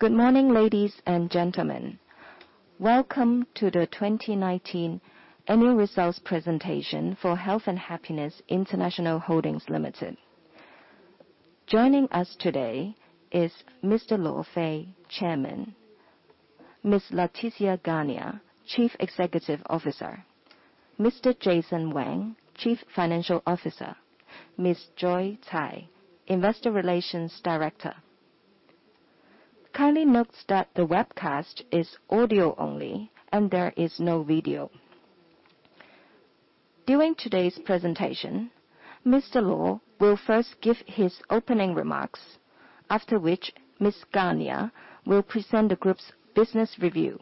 Good morning, ladies and gentlemen. Welcome to the 2019 annual results presentation for Health and Happiness International Holdings Limited. Joining us today is Mr. Luo Fei, Chairman. Ms. Laetitia Garnier, Chief Executive Officer. Mr. Jason Wang, Chief Financial Officer. Ms. Joy Tsai, Investor Relations Director. Kindly note that the webcast is audio only and there is no video. During today's presentation, Mr. Luo Fei will first give his opening remarks, after which Ms. Garnier will present the group's business review.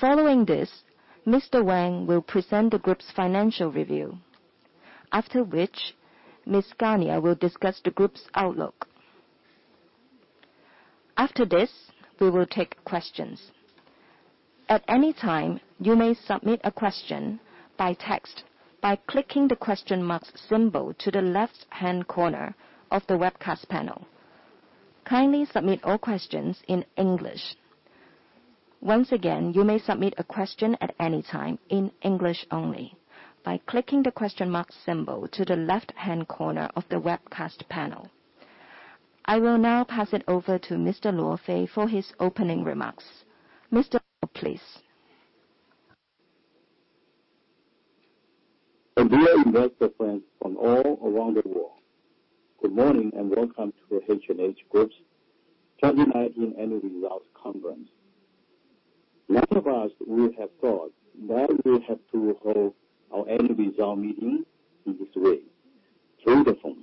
Following this, Mr. Wang will present the group's financial review, after which Ms. Garnier will discuss the group's outlook. After this, we will take questions. At any time, you may submit a question by text by clicking the question mark symbol to the left-hand corner of the webcast panel. Kindly submit all questions in English. Once again, you may submit a question at any time in English only by clicking the question mark symbol to the left-hand corner of the webcast panel. I will now pass it over to Mr. Luo Fei for his opening remarks. Mr. Luo, please. Dear investor friends from all around the world, good morning and welcome to H&H Group's 2019 annual results conference. None of us would have thought that we would have to hold our annual result meeting in this way, through the phone.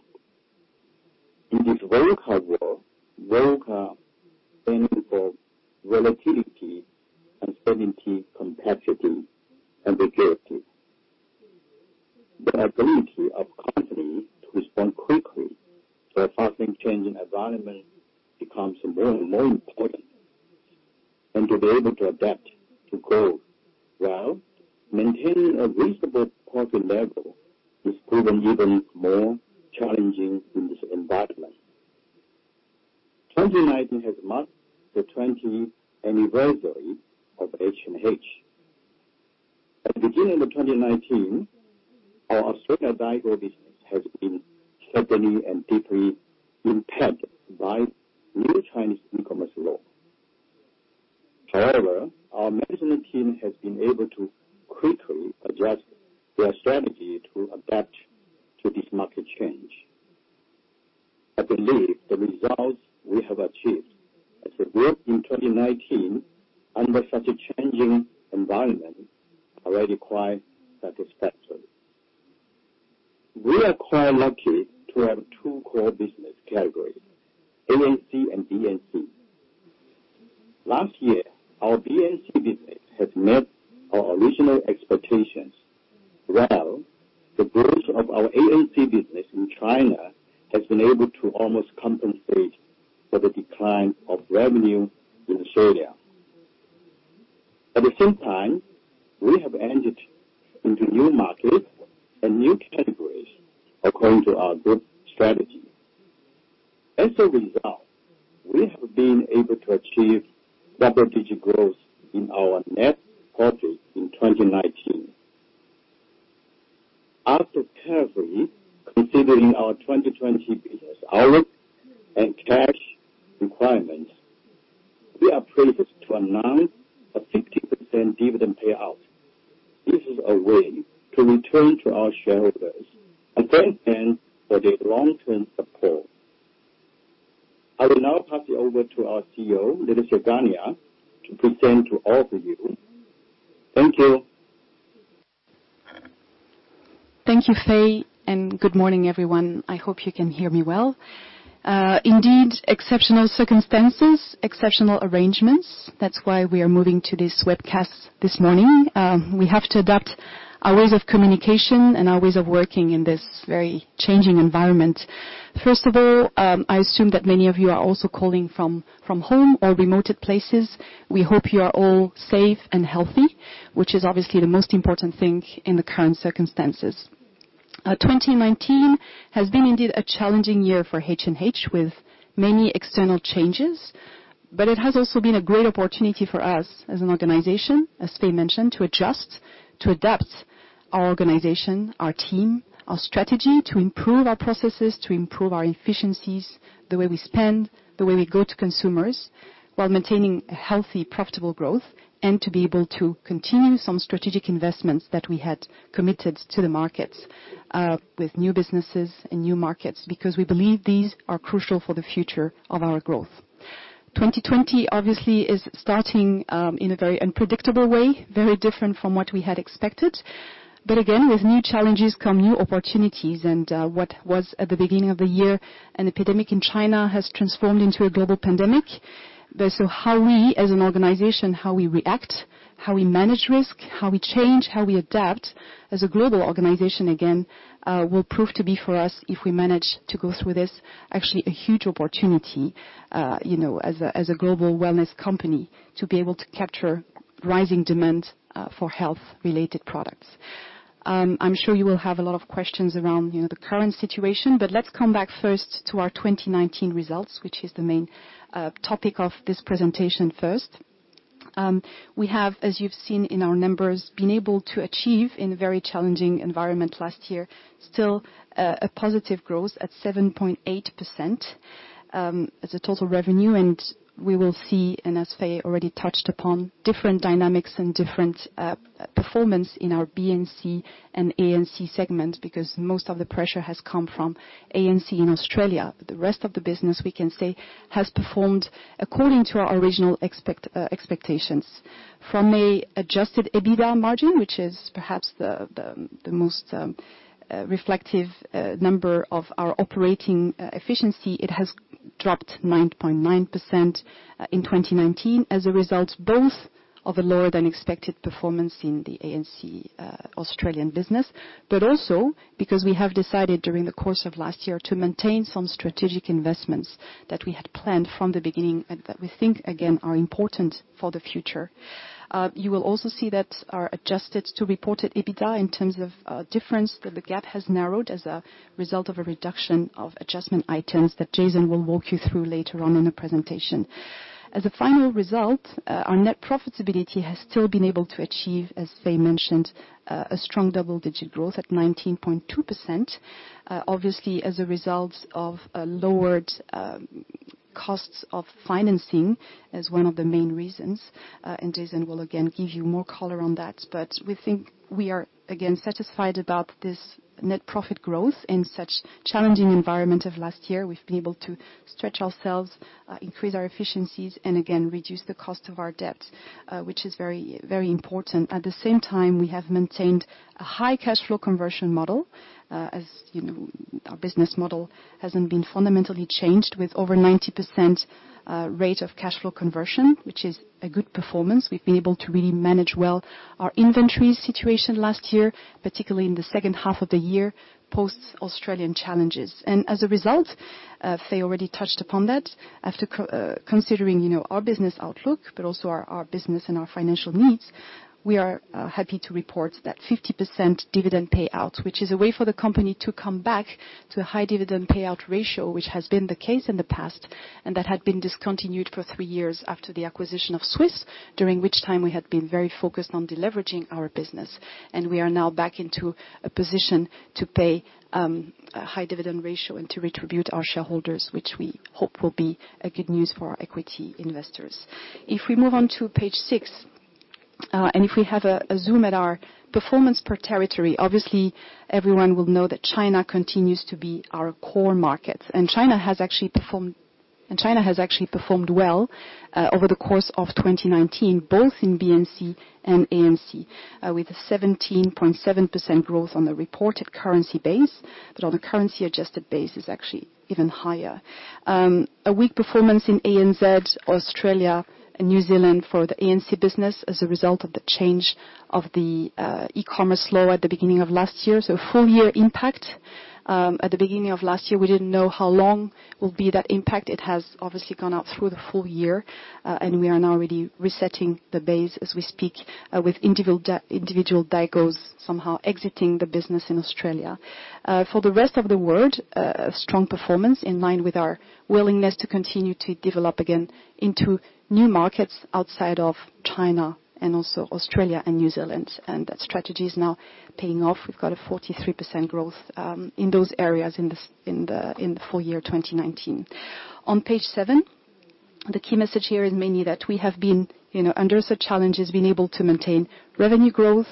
In this VUCA world, VUCA standing for volatility, uncertainty, complexity and ambiguity, the ability of companies to respond quickly to a fast-changing environment becomes more and more important. To be able to adapt to grow while maintaining a reasonable profit level is proven even more challenging in this environment. 2019 has marked the 20 anniversary of H&H Group. At the beginning of 2019, our Australia daigou business has been suddenly and deeply impacted by new Chinese e-commerce law. However, our management team has been able to quickly adjust their strategy to adapt to this market change. I believe the results we have achieved as a group in 2019 under such a changing environment are already quite satisfactory. We are quite lucky to have two core business categories, ANC and BNC. Last year, our BNC business has met our original expectations, while the growth of our ANC business in China has been able to almost compensate for the decline of revenue in Australia. At the same time, we have entered into new markets and new categories according to our group strategy. As a result, we have been able to achieve double-digit growth in our net profit in 2019. After carefully considering our 2020 business outlook and cash requirements, we are pleased to announce a 50% dividend payout. This is a way to return to our shareholders and thank them for their long-term support. I will now pass you over to our CEO, Laetitia Garnier, to present to all of you. Thank you. Thank you, Fei. Good morning, everyone. I hope you can hear me well. Indeed, exceptional circumstances, exceptional arrangements. That's why we are moving to this webcast this morning. We have to adapt our ways of communication and our ways of working in this very changing environment. First of all, I assume that many of you are also calling from home or remoted places. We hope you are all safe and healthy, which is obviously the most important thing in the current circumstances. 2019 has been indeed a challenging year for H&H Group, with many external changes, but it has also been a great opportunity for us as an organization, as Fei mentioned, to adjust, to adapt our organization, our team, our strategy, to improve our processes, to improve our efficiencies, the way we spend, the way we go to consumers while maintaining a healthy, profitable growth. To be able to continue some strategic investments that we had committed to the markets, with new businesses and new markets, because we believe these are crucial for the future of our growth. 2020 obviously is starting in a very unpredictable way, very different from what we had expected. Again, with new challenges come new opportunities, and what was at the beginning of the year an epidemic in China has transformed into a global pandemic. How we as an organization, how we react, how we manage risk, how we change, how we adapt as a global organization, again, will prove to be for us, if we manage to go through this, actually a huge opportunity, as a global wellness company, to be able to capture rising demand for health-related products. I'm sure you will have a lot of questions around the current situation. Let's come back first to our 2019 results, which is the main topic of this presentation first. We have, as you've seen in our numbers, been able to achieve, in a very challenging environment last year, still a positive growth at 7.8% as a total revenue. We will see, and as Fei already touched upon, different dynamics and different performance in our BNC and ANC segments because most of the pressure has come from ANC in Australia. The rest of the business, we can say, has performed according to our original expectations. From a adjusted EBITDA margin, which is perhaps the most reflective number of our operating efficiency, it has dropped 9.9% in 2019, as a result, both of a lower than expected performance in the ANC Australian business, but also because we have decided during the course of last year to maintain some strategic investments that we had planned from the beginning, and that we think again are important for the future. You will also see that our adjusted to reported EBITDA in terms of difference that the gap has narrowed as a result of a reduction of adjustment items that Jason will walk you through later on in the presentation. As a final result, our net profitability has still been able to achieve, as Fei mentioned, a strong double-digit growth at 19.2%. Obviously, as a result of a lowered costs of financing as one of the main reasons, Jason will again give you more color on that. We think we are again satisfied about this net profit growth in such challenging environment of last year. We've been able to stretch ourselves, increase our efficiencies, and again, reduce the cost of our debt, which is very important. At the same time, we have maintained a high cash flow conversion model, as you know, our business model hasn't been fundamentally changed with over 90% rate of cash flow conversion, which is a good performance. We've been able to really manage well our inventory situation last year, particularly in the second half of the year, post-Australian challenges. As a result, Fei already touched upon that, after considering our business outlook, but also our business and our financial needs, we are happy to report that 50% dividend payout. Which is a way for the company to come back to a high dividend payout ratio, which has been the case in the past, and that had been discontinued for three years after the acquisition of Swisse Wellness, during which time we had been very focused on deleveraging our business. We are now back into a position to pay a high dividend ratio and to retribute our shareholders, which we hope will be a good news for our equity investors. If we move on to page six, and if we have a zoom at our performance per territory. Obviously, everyone will know that China continues to be our core market. China has actually performed well, over the course of 2019, both in BNC and ANC. With a 17.7% growth on the reported currency base, but on a currency adjusted base is actually even higher. A weak performance in ANZ, Australia and New Zealand for the ANC business as a result of the change of the E-commerce Law at the beginning of last year. Full year impact. At the beginning of last year, we didn't know how long will be that impact. It has obviously gone out through the full year. We are now already resetting the base as we speak, with individual daigous somehow exiting the business in Australia. For the rest of the world, a strong performance in line with our willingness to continue to develop again into new markets outside of China and also Australia and New Zealand. That strategy is now paying off. We've got a 43% growth in those areas in the full year 2019. On page seven, the key message here is mainly that we have been under such challenges, been able to maintain revenue growth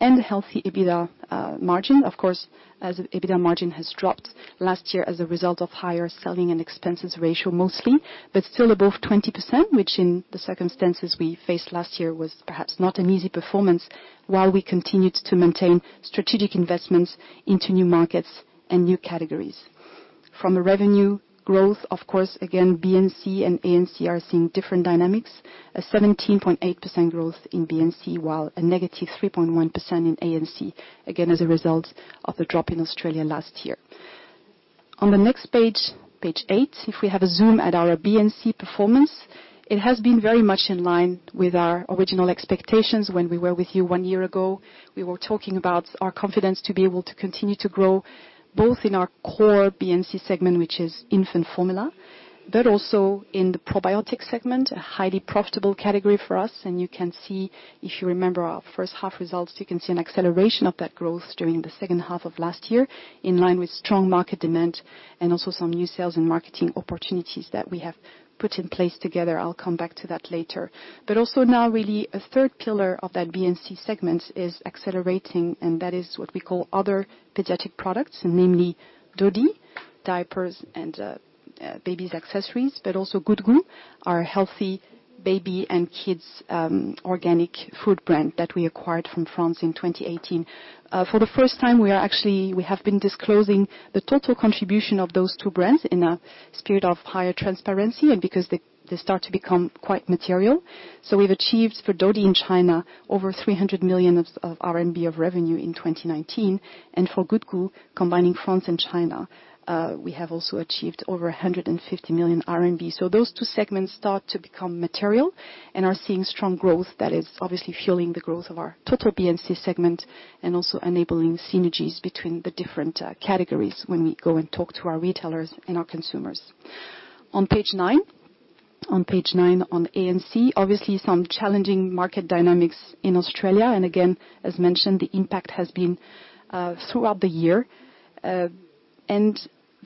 and a healthy EBITDA margin. Of course, as EBITDA margin has dropped last year as a result of higher selling and expenses ratio mostly, but still above 20%, which in the circumstances we faced last year was perhaps not an easy performance while we continued to maintain strategic investments into new markets and new categories. From a revenue growth, of course, again, BNC and ANC are seeing different dynamics. A 17.8% growth in BNC while a negative 3.1% in ANC, again, as a result of the drop in Australia last year. On the next page eight, if we have a zoom at our BNC performance, it has been very much in line with our original expectations when we were with you one year ago. We were talking about our confidence to be able to continue to grow, both in our core BNC segment, which is infant formula, but also in the probiotic segment, a highly profitable category for us. You can see, if you remember our first half results, you can see an acceleration of that growth during the second half of last year in line with strong market demand and also some new sales and marketing opportunities that we have put in place together. I'll come back to that later. Also now really a third pillar of that BNC segment is accelerating, and that is what we call other pediatric products, namely Dodie diapers and baby accessories, but also Good Goût, our healthy baby and kids organic food brand that we acquired from France in 2018. For the first time, we have been disclosing the total contribution of those two brands in a spirit of higher transparency and because they start to become quite material. We've achieved for Dodie in China over 300 million of revenue in 2019, and for Good Goût, combining France and China, we have also achieved over 150 million RMB. Those two segments start to become material and are seeing strong growth that is obviously fueling the growth of our total BNC segment and also enabling synergies between the different categories when we go and talk to our retailers and our consumers. On page nine, on ANC, obviously some challenging market dynamics in Australia. Again, as mentioned, the impact has been throughout the year.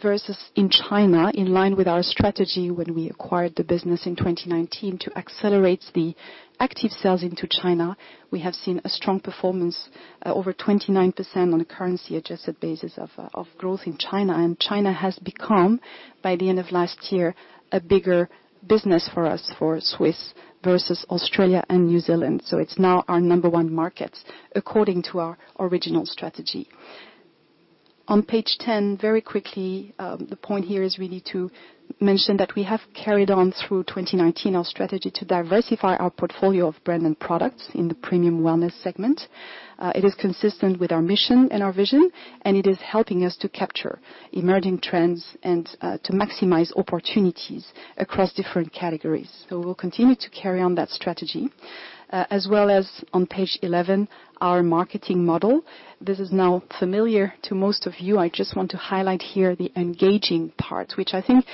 Versus in China, in line with our strategy when we acquired the business in 2019 to accelerate the active sales into China, we have seen a strong performance, over 29% on a currency adjusted basis of growth in China. China has become, by the end of last year, a bigger business for us for Swisse Wellness versus Australia and New Zealand. It's now our number one market according to our original strategy. On page 10, very quickly, the point here is really to mention that we have carried on through 2019 our strategy to diversify our portfolio of brand and products in the premium wellness segment. It is consistent with our mission and our vision, it is helping us to capture emerging trends and to maximize opportunities across different categories. We'll continue to carry on that strategy, as well as on page 11, our marketing model. This is now familiar to most of you. I just want to highlight here the engaging part, which I think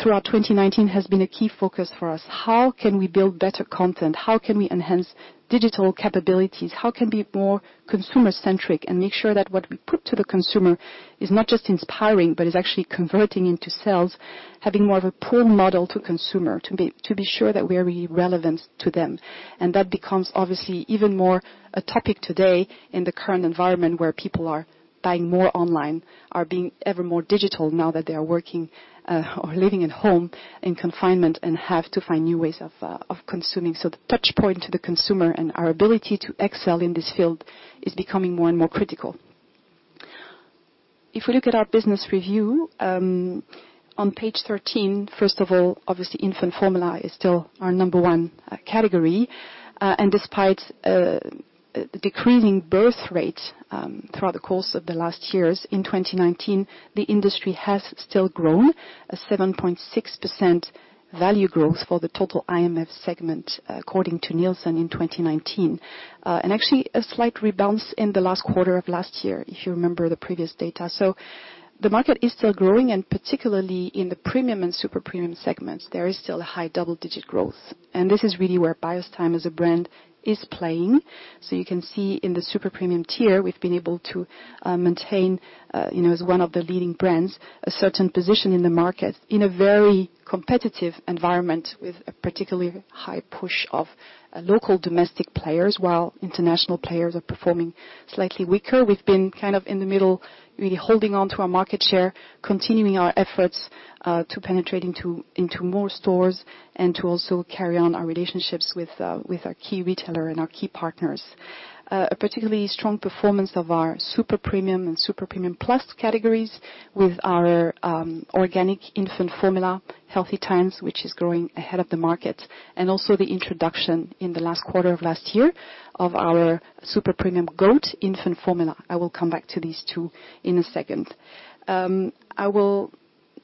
throughout 2019 has been a key focus for us. How can we build better content? How can we enhance digital capabilities? How can we be more consumer-centric and make sure that what we put to the consumer is not just inspiring, but is actually converting into sales, having more of a pull model to consumer, to be sure that we are relevant to them? That becomes obviously even more a topic today in the current environment where people are buying more online, are being ever more digital now that they are working or living at home in confinement and have to find new ways of consuming. The touchpoint to the consumer and our ability to excel in this field is becoming more and more critical. If we look at our business review, on page 13, first of all, obviously infant formula is still our number one category. Despite the decreasing birth rate, throughout the course of the last years, in 2019, the industry has still grown a 7.6% value growth for the total IMF segment, according to Nielsen in 2019. Actually a slight rebound in the last quarter of last year, if you remember the previous data. The market is still growing, and particularly in the premium and super premium segments, there is still a high double-digit growth. This is really where Biostime as a brand is playing. You can see in the super premium tier, we've been able to maintain, as one of the leading brands, a certain position in the market in a very competitive environment with a particularly high push of local domestic players, while international players are performing slightly weaker. We've been kind of in the middle, really holding onto our market share, continuing our efforts, to penetrate into more stores and to also carry on our relationships with our key retailer and our key partners. A particularly strong performance of our super premium and super premium plus categories with our organic infant formula, Healthy Times, which is growing ahead of the market. Also the introduction in the last quarter of last year of our super premium goat infant formula. I will come back to these two in a second. I will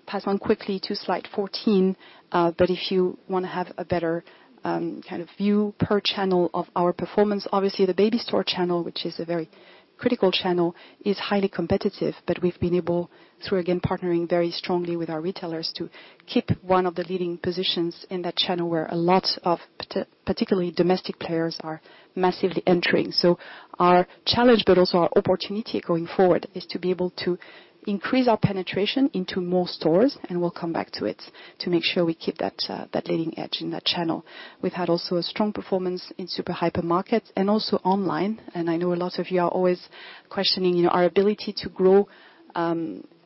pass on quickly to slide 14. If you want to have a better view per channel of our performance, obviously the baby store channel, which is a very critical channel, is highly competitive, but we've been able, through again partnering very strongly with our retailers, to keep one of the leading positions in that channel where a lot of particularly domestic players are massively entering. Our challenge, but also our opportunity going forward, is to be able to increase our penetration into more stores, and we'll come back to it to make sure we keep that leading edge in that channel. We've had also a strong performance in super hyper markets and also online. I know a lot of you are always questioning our ability to grow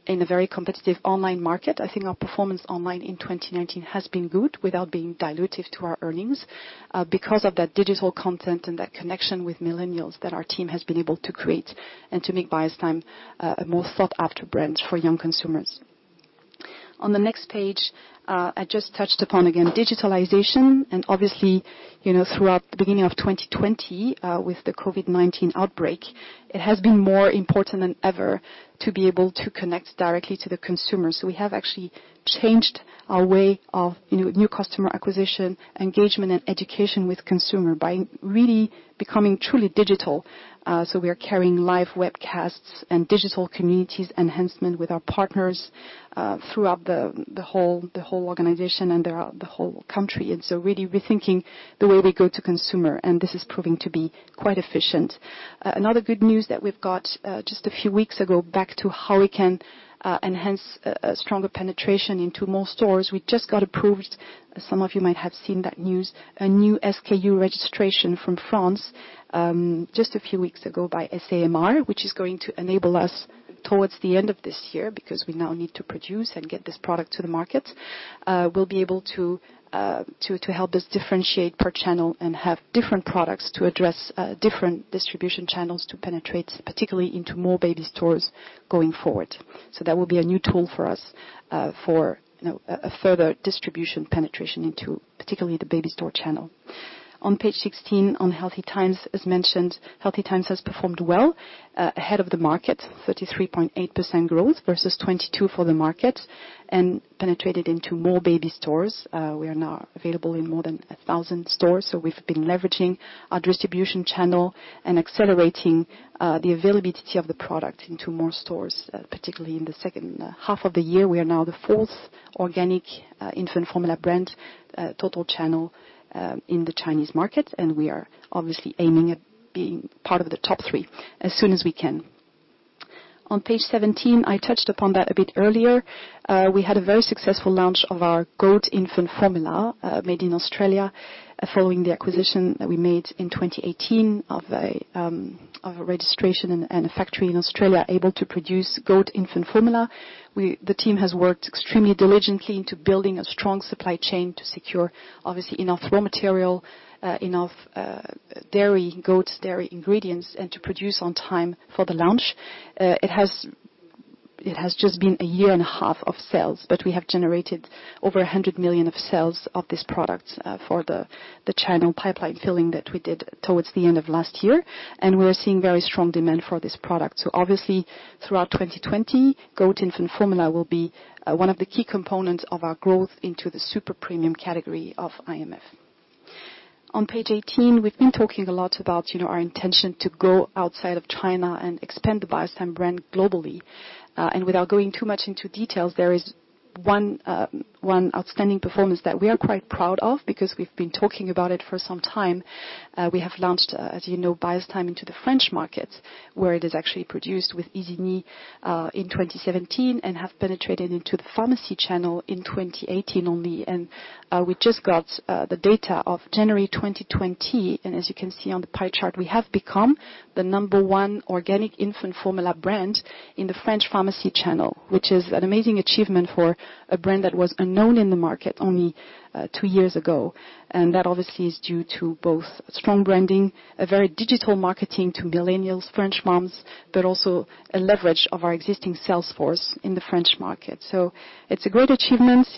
in a very competitive online market. I think our performance online in 2019 has been good without being dilutive to our earnings, because of that digital content and that connection with millennials that our team has been able to create and to make Biostime a more sought-after brand for young consumers. On the next page, I just touched upon, again, digitalization. Obviously, throughout the beginning of 2020, with the COVID-19 outbreak, it has been more important than ever to be able to connect directly to the consumer. We have actually changed our way of new customer acquisition, engagement, and education with consumer by really becoming truly digital. We are carrying live webcasts and digital communities enhancement with our partners, throughout the whole organization and throughout the whole country. Really rethinking the way we go to consumer, and this is proving to be quite efficient. Another good news that we've got, just a few weeks ago, back to how we can enhance a stronger penetration into more stores. We just got approved, some of you might have seen that news, a new SKU registration from France, just a few weeks ago by SAMR, which is going to enable us towards the end of this year, because we now need to produce and get this product to the market will be able to help us differentiate per channel and have different products to address different distribution channels to penetrate, particularly into more baby stores going forward. That will be a new tool for us for a further distribution penetration into particularly the baby store channel. On page 16, on Healthy Times, as mentioned, Healthy Times has performed well ahead of the market, 33.8% growth versus 22% for the market and penetrated into more baby stores. We are now available in more than 1,000 stores. We've been leveraging our distribution channel and accelerating the availability of the product into more stores, particularly in the second half of the year. We are now the fourth organic infant formula brand, total channel, in the Chinese market, and we are obviously aiming at being part of the top three as soon as we can. On page 17, I touched upon that a bit earlier. We had a very successful launch of our goat infant formula, made in Australia, following the acquisition that we made in 2018, of a registration and a factory in Australia able to produce goat infant formula. The team has worked extremely diligently into building a strong supply chain to secure, obviously, enough raw material, enough goat dairy ingredients, and to produce on time for the launch. It has just been a year and a half of sales, we have generated over 100 million of sales of this product for the China pipeline filling that we did towards the end of last year, and we are seeing very strong demand for this product. Obviously, throughout 2020, goat infant formula will be one of the key components of our growth into the super premium category of IMF. On page 18, we've been talking a lot about our intention to go outside of China and expand the Biostime brand globally. Without going too much into details, there is one outstanding performance that we are quite proud of because we've been talking about it for some time. We have launched, as you know, Biostime into the French market, where it is actually produced with Isigny Sainte-Mère in 2017 and have penetrated into the pharmacy channel in 2018 only. We just got the data of January 2020, as you can see on the pie chart, we have become the number one organic infant formula brand in the French pharmacy channel. Which is an amazing achievement for a brand that was unknown in the market only two years ago. That obviously is due to both strong branding, a very digital marketing to millennials, French moms, but also a leverage of our existing sales force in the French market. It's a great achievement.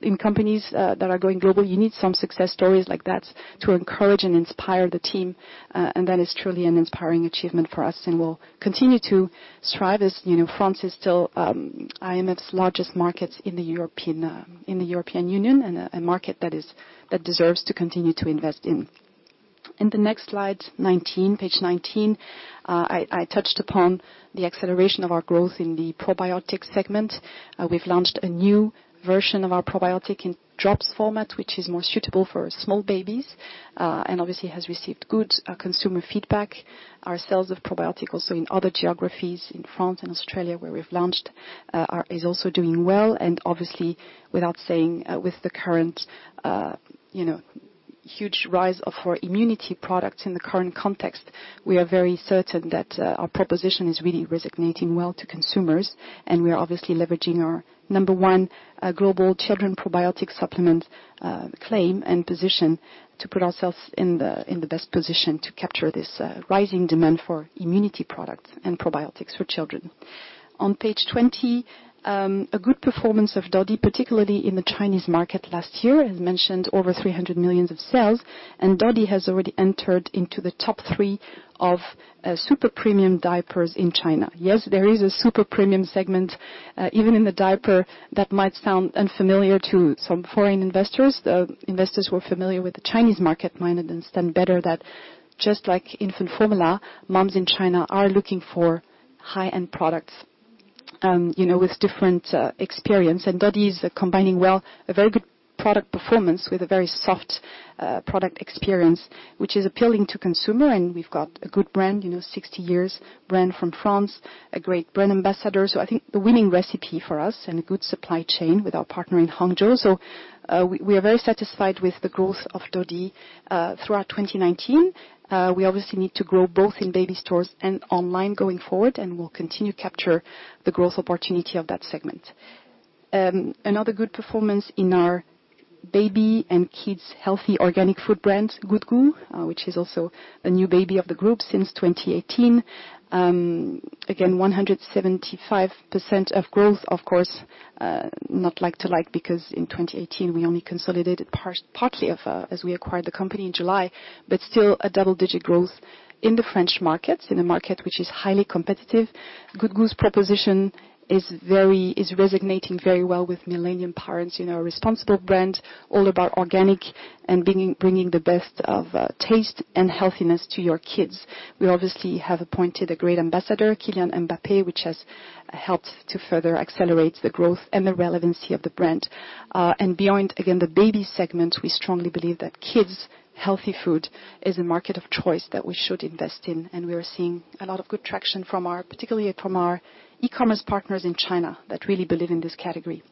In companies that are going global, you need some success stories like that to encourage and inspire the team, and that is truly an inspiring achievement for us, and we'll continue to strive as France is still IMF's largest market in the European Union, and a market that deserves to continue to invest in. In the next slide, 19, page 19, I touched upon the acceleration of our growth in the probiotic segment. We've launched a new version of our probiotic in drops format, which is more suitable for small babies, and obviously has received good consumer feedback. Our sales of probiotic also in other geographies in France and Australia where we've launched, is also doing well. Obviously with the current huge rise of our immunity products in the current context, we are very certain that our proposition is really resonating well to consumers, and we are obviously leveraging our number one global children probiotic supplement claim and position to put ourselves in the best position to capture this rising demand for immunity products and probiotics for children. On page 20, a good performance of Dodie diaper, particularly in the Chinese market last year, as mentioned, over 300 million of sales, and Dodie has already entered into the top three of super premium diapers in China. Yes, there is a super premium segment, even in the diaper, that might sound unfamiliar to some foreign investors. The investors who are familiar with the Chinese market might understand better that just like infant formula, moms in China are looking for high-end products with different experience. Dodie is combining well, a very good product performance with a very soft product experience, which is appealing to consumer. We've got a good brand, 60-year brand from France, a great brand ambassador. I think the winning recipe for us and a good supply chain with our partner in Hangzhou. We are very satisfied with the growth of Dodie throughout 2019. We obviously need to grow both in baby stores and online going forward, and we'll continue to capture the growth opportunity of that segment. Another good performance in our baby and kids healthy organic food brand, Good Goût, which is also a new baby of the Group since 2018. 175% of growth, of course, not like to like, because in 2018, we only consolidated partly as we acquired the company in July, but still a double-digit growth in the French market, in a market which is highly competitive. Good Goût's proposition is resonating very well with millennial parents. A responsible brand, all about organic and bringing the best of taste and healthiness to your kids. We obviously have appointed a great ambassador, Kylian Mbappé, which has helped to further accelerate the growth and the relevancy of the brand. Beyond, again, the baby segment, we strongly believe that kids' healthy food is a market of choice that we should invest in. We are seeing a lot of good traction, particularly from our e-commerce partners in China that really believe in this category.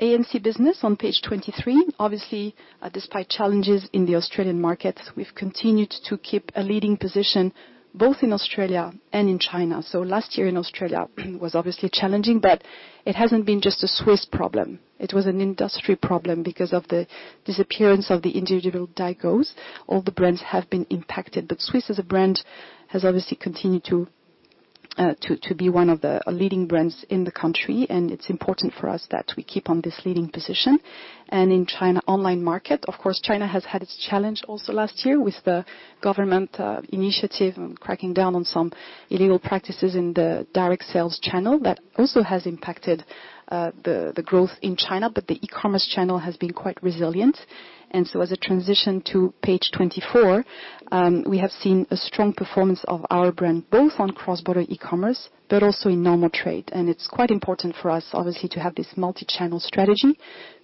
ANC business on page 23. Obviously, despite challenges in the Australian market, we've continued to keep a leading position both in Australia and in China. Last year in Australia was obviously challenging, but it hasn't been just a Swisse problem. It was an industry problem because of the disappearance of the individual daigous, all the brands have been impacted. Swisse Wellness as a brand has obviously continued to be one of the leading brands in the country, and it's important for us that we keep on this leading position. In China online market, of course, China has had its challenge also last year with the government initiative and cracking down on some illegal practices in the direct sales channel that also has impacted the growth in China, but the e-commerce channel has been quite resilient. As a transition to page 24, we have seen a strong performance of our brand, both on cross-border e-commerce, but also in normal trade. It's quite important for us, obviously, to have this multi-channel strategy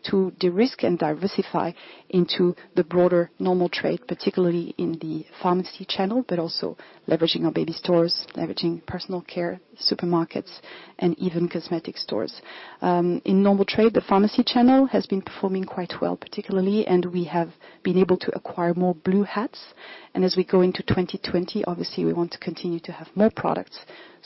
to de-risk and diversify into the broader normal trade, particularly in the pharmacy channel, but also leveraging our baby stores, leveraging personal care, supermarkets, and even cosmetic stores. In normal trade, the pharmacy channel has been performing quite well, particularly, and we have been able to acquire more blue hats. As we go into 2020, obviously, we want to continue to have more products.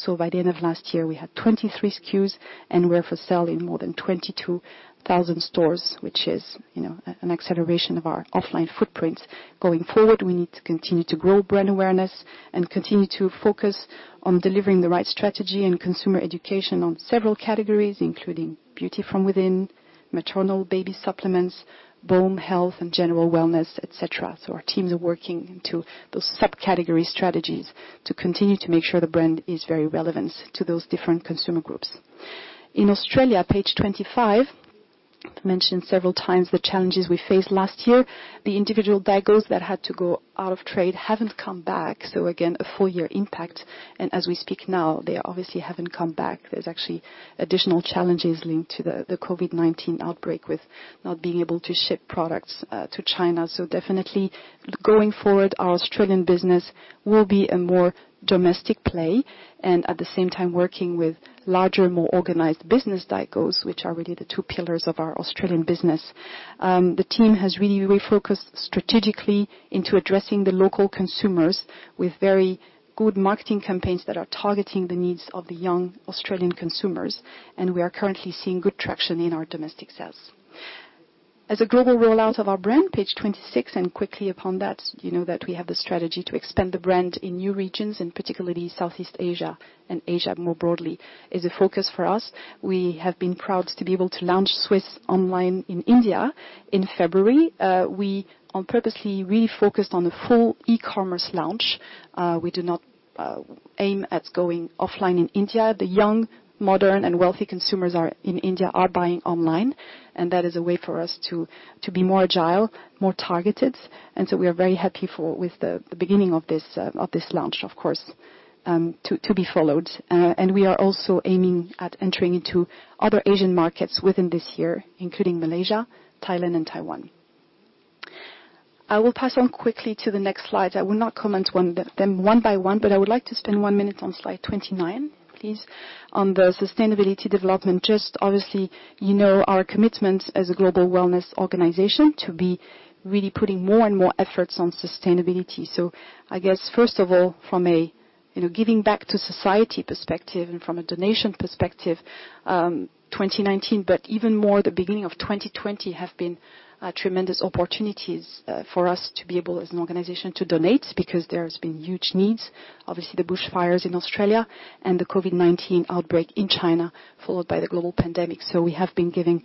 By the end of last year, we had 23 SKUs, and we're for sale in more than 22,000 stores, which is an acceleration of our offline footprint. Going forward, we need to continue to grow brand awareness and continue to focus on delivering the right strategy and consumer education on several categories, including beauty from within, maternal baby supplements, bone health and general wellness, et cetera. Our teams are working into those sub-category strategies to continue to make sure the brand is very relevant to those different consumer groups. In Australia, page 25, mentioned several times the challenges we faced last year. The individual daigous that had to go out of trade haven't come back. Again, a full-year impact. As we speak now, they obviously haven't come back. There's actually additional challenges linked to the COVID-19 outbreak with not being able to ship products to China. Definitely, going forward, our Australian business will be a more domestic play, and at the same time working with larger, more organized business daigous, which are really the two pillars of our Australian business. The team has really refocused strategically into addressing the local consumers with very good marketing campaigns that are targeting the needs of the young Australian consumers, and we are currently seeing good traction in our domestic sales. As a global rollout of our brand, page 26, and quickly upon that, you know that we have the strategy to expand the brand in new regions, and particularly Southeast Asia and Asia more broadly is a focus for us. We have been proud to be able to launch Swisse online in India in February. We on purposely refocused on the full e-commerce launch. We do not aim at going offline in India. The young, modern, and wealthy consumers in India are buying online, and that is a way for us to be more agile, more targeted. We are very happy with the beginning of this launch, of course, to be followed. We are also aiming at entering into other Asian markets within this year, including Malaysia, Thailand, and Taiwan. I will pass on quickly to the next slide. I will not comment them one by one, but I would like to spend one minute on slide 29, please, on the sustainability development. Just obviously, you know our commitment as a global wellness organization to be really putting more and more efforts on sustainability. I guess, first of all, from a giving back to society perspective and from a donation perspective, 2019, but even more the beginning of 2020 have been tremendous opportunities for us to be able as an organization to donate because there's been huge needs. Obviously, the bushfires in Australia and the COVID-19 outbreak in China, followed by the global pandemic. We have been giving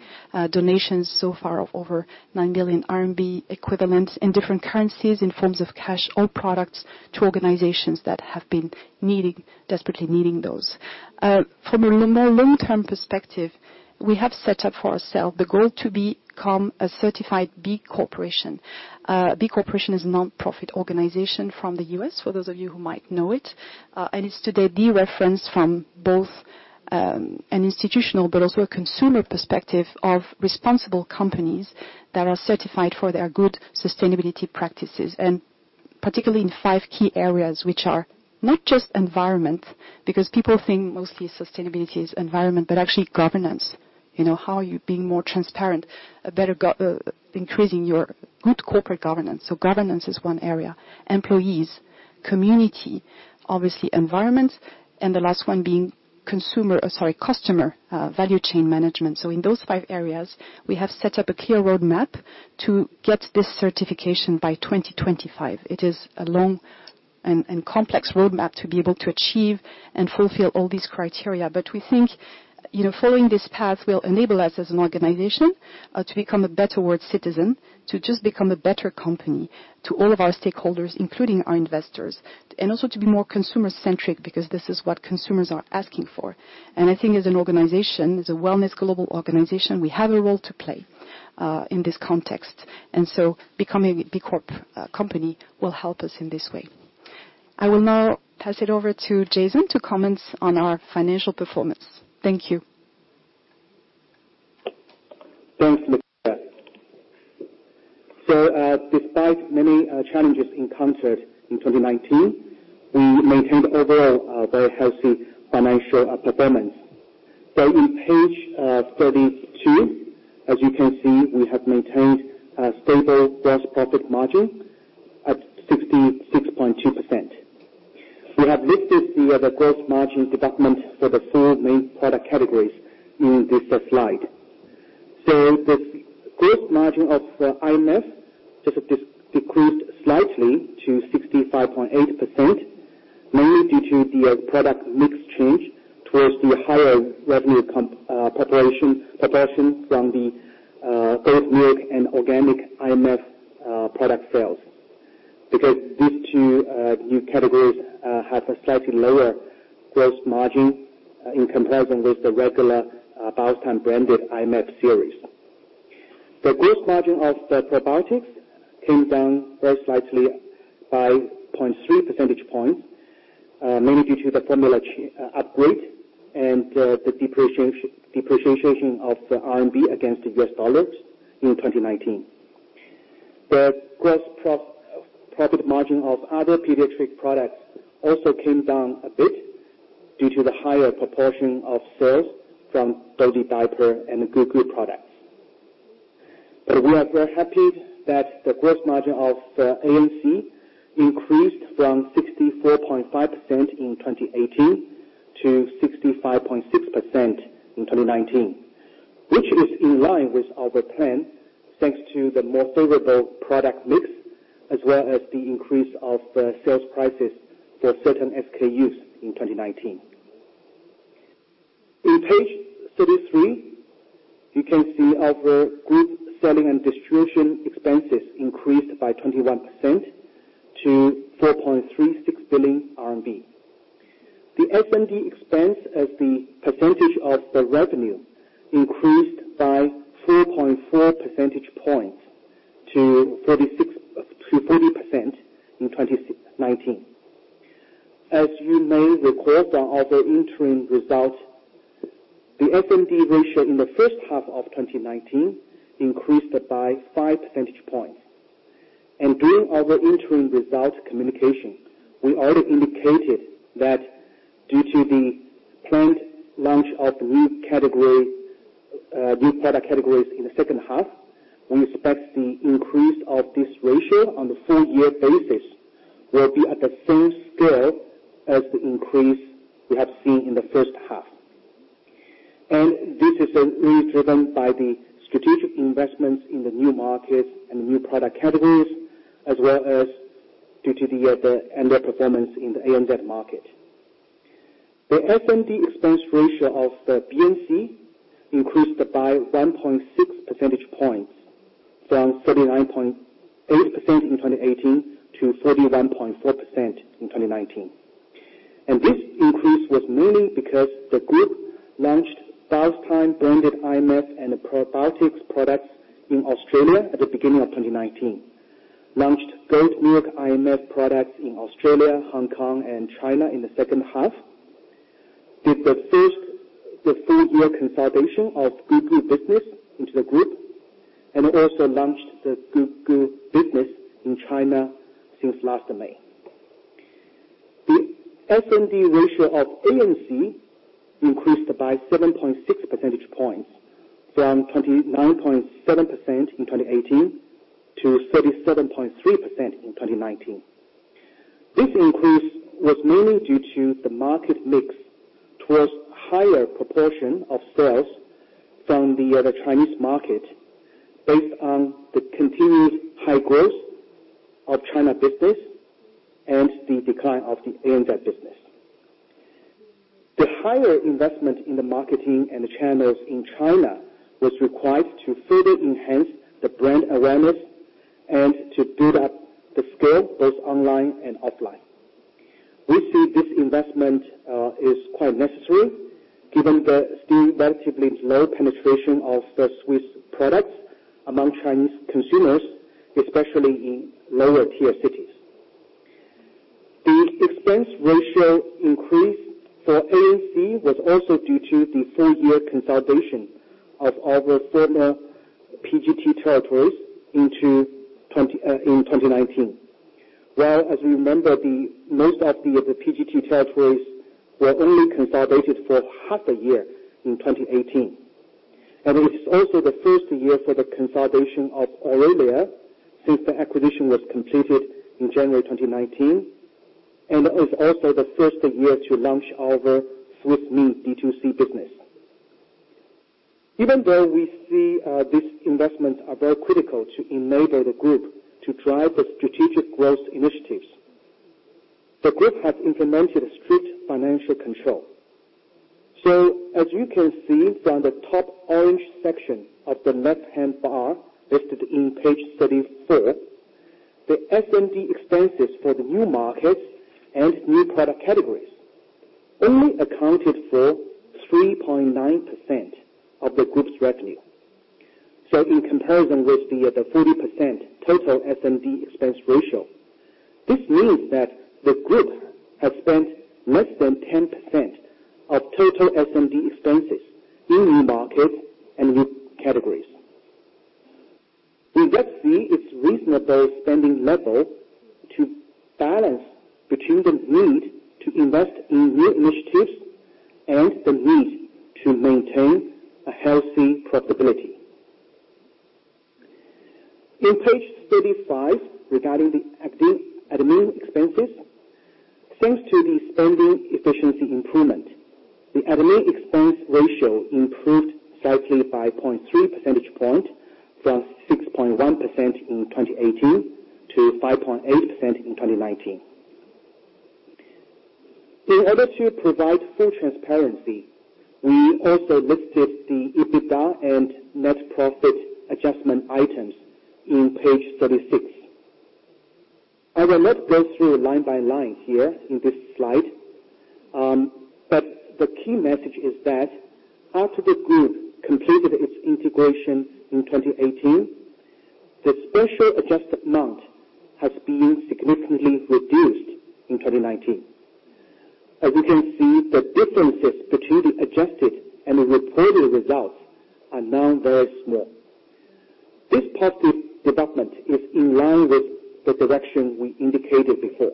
donations so far of over 9 billion RMB equivalent in different currencies in forms of cash or products to organizations that have been desperately needing those. From a more long-term perspective, we have set up for ourselves the goal to become a certified B Corporation. A B Corporation is a non-profit organization from the U.S., for those of you who might know it. It's today the reference from both an institutional but also a consumer perspective of responsible companies that are certified for their good sustainability practices, particularly in five key areas, which are not just environment, because people think mostly sustainability is environment, but actually governance. How are you being more transparent, increasing your good corporate governance? Governance is one area. Employees, community, obviously environment, and the last one being customer value chain management. In those five areas, we have set up a clear roadmap to get this certification by 2025. It is a long and complex roadmap to be able to achieve and fulfill all these criteria. We think following this path will enable us as an organization to become a better world citizen, to just become a better company to all of our stakeholders, including our investors, and also to be more consumer-centric because this is what consumers are asking for. I think as an organization, as a wellness global organization, we have a role to play in this context. Becoming a B Corporation company will help us in this way. I will now pass it over to Jason to comment on our financial performance. Thank you. Thanks, Laetitia. Despite many challenges encountered in 2019, we maintained overall a very healthy financial performance. On page 32, as you can see, we have maintained a stable gross profit margin of 66.2%. We have listed the other gross margin developments for the four main product categories in this slide. The gross margin of IMF just decreased slightly to 65.8%, mainly due to the product mix change towards the higher revenue proportion from the goat milk and organic IMF product sales. Because these two new categories have a slightly lower gross margin in comparison with the regular Biostime-branded IMF series. The gross margin of the probiotics came down very slightly by 0.3 percentage points, mainly due to the formula upgrade and the depreciation of the RMB against the US dollar in 2019. The gross profit margin of other pediatric products also came down a bit due to the higher proportion of sales from Dodie diaper and Good Goût products. We are very happy that the gross margin of ANC increased from 64.5% in 2018 to 65.6% in 2019, which is in line with our plan, thanks to the more favorable product mix as well as the increase of sales prices for certain SKUs in 2019. In page 33, you can see our group selling and distribution expenses increased by 21% to 4.36 billion RMB. The S&D expense as the percentage of the revenue increased by 4.4 percentage points to 40% in 2019. As you may recall from our interim results, the S&D ratio in the first half of 2019 increased by 5 percentage points. During our interim results communication, we already indicated that due to the planned launch of new product categories in the second half, we expect the increase of this ratio on the full-year basis will be at the same scale as the increase we have seen in the first half. This is really driven by the strategic investments in the new markets and new product categories as well as due to the underperformance in the ANZ market. The S&D expense ratio of the BNC increased by 1.6 percentage points from 39.8% in 2018 to 41.4% in 2019. This increase was mainly because the group launched Biostime-branded IMF and probiotics products in Australia at the beginning of 2019, launched goat milk IMF products in Australia, Hong Kong, and China in the second half, did the first full-year consolidation of Good Goût business into the group, and also launched the Good Goût business in China since last May. The S&D ratio of ANC increased by 7.6 percentage points from 29.7% in 2018 to 37.3% in 2019. This increase was mainly due to the market mix towards higher proportion of sales from the other Chinese market based on the continuous high growth of China business and the decline of the ANZ business. The higher investment in the marketing and channels in China was required to further enhance the brand awareness and to build up the scale both online and offline. We see this investment is quite necessary given the still relatively low penetration of the Swisse Wellness products among Chinese consumers, especially in lower-tier cities. The expense ratio increase for ANC was also due to the full-year consolidation of our former PGT territories in 2019. While as you remember, most of the PGT territories were only consolidated for half a year in 2018. It is also the first year for the consolidation of Aurelia since the acquisition was completed in January 2019, and is also the first year to launch our Swisse Me D2C business. Even though we see these investments are very critical to enable the group to drive the strategic growth initiatives, the group has implemented strict financial control. As you can see from the top orange section of the left-hand bar listed on page 34, the S&D expenses for the new markets and new product categories only accounted for 3.9% of the group's revenue. In comparison with the 40% total S&D expense ratio. This means that the group has spent less than 10% of total S&D expenses in new markets and new categories. We just see it's reasonable spending level to balance between the need to invest in new initiatives and the need to maintain a healthy profitability. In page 35, regarding the admin expenses. Thanks to the spending efficiency improvement, the admin expense ratio improved slightly by 0.3 percentage point from 6.1% in 2018 to 5.8% in 2019. In order to provide full transparency, we also listed the EBITDA and net profit adjustment items in page 36. I will not go through line by line here in this slide, but the key message is that after the group completed its integration in 2018, the special adjusted amount has been significantly reduced in 2019. As you can see, the differences between the adjusted and the reported results are now very small. This positive development is in line with the direction we indicated before.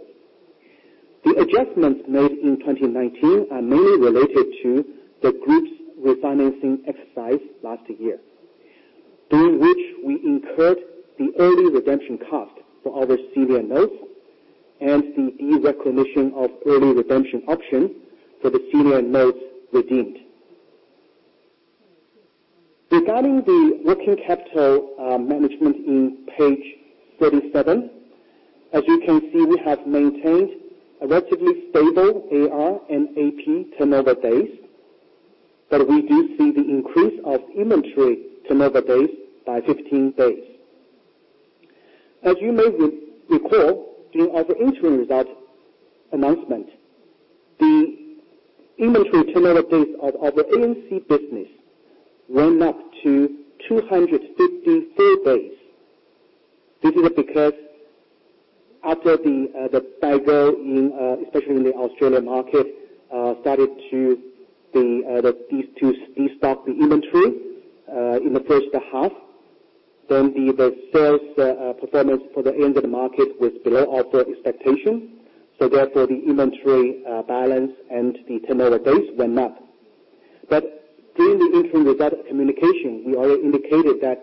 The adjustments made in 2019 are mainly related to the group's refinancing exercise last year, during which we incurred the early redemption cost for our senior notes and the derecognition of early redemption option for the senior notes redeemed. Regarding the working capital management in page 37, as you can see, we have maintained a relatively stable AR and AP turnover days, but we do see the increase of inventory turnover days by 15 days. As you may recall, during our interim result announcement, the inventory turnover days of our ANC business went up to 254 days. This is because after the daigou, especially in the Australian market, started to de-stock the inventory in the first half, then the sales performance for the ANZ was below our expectation. Therefore, the inventory balance and the turnover days went up. During the interim results communication, we already indicated that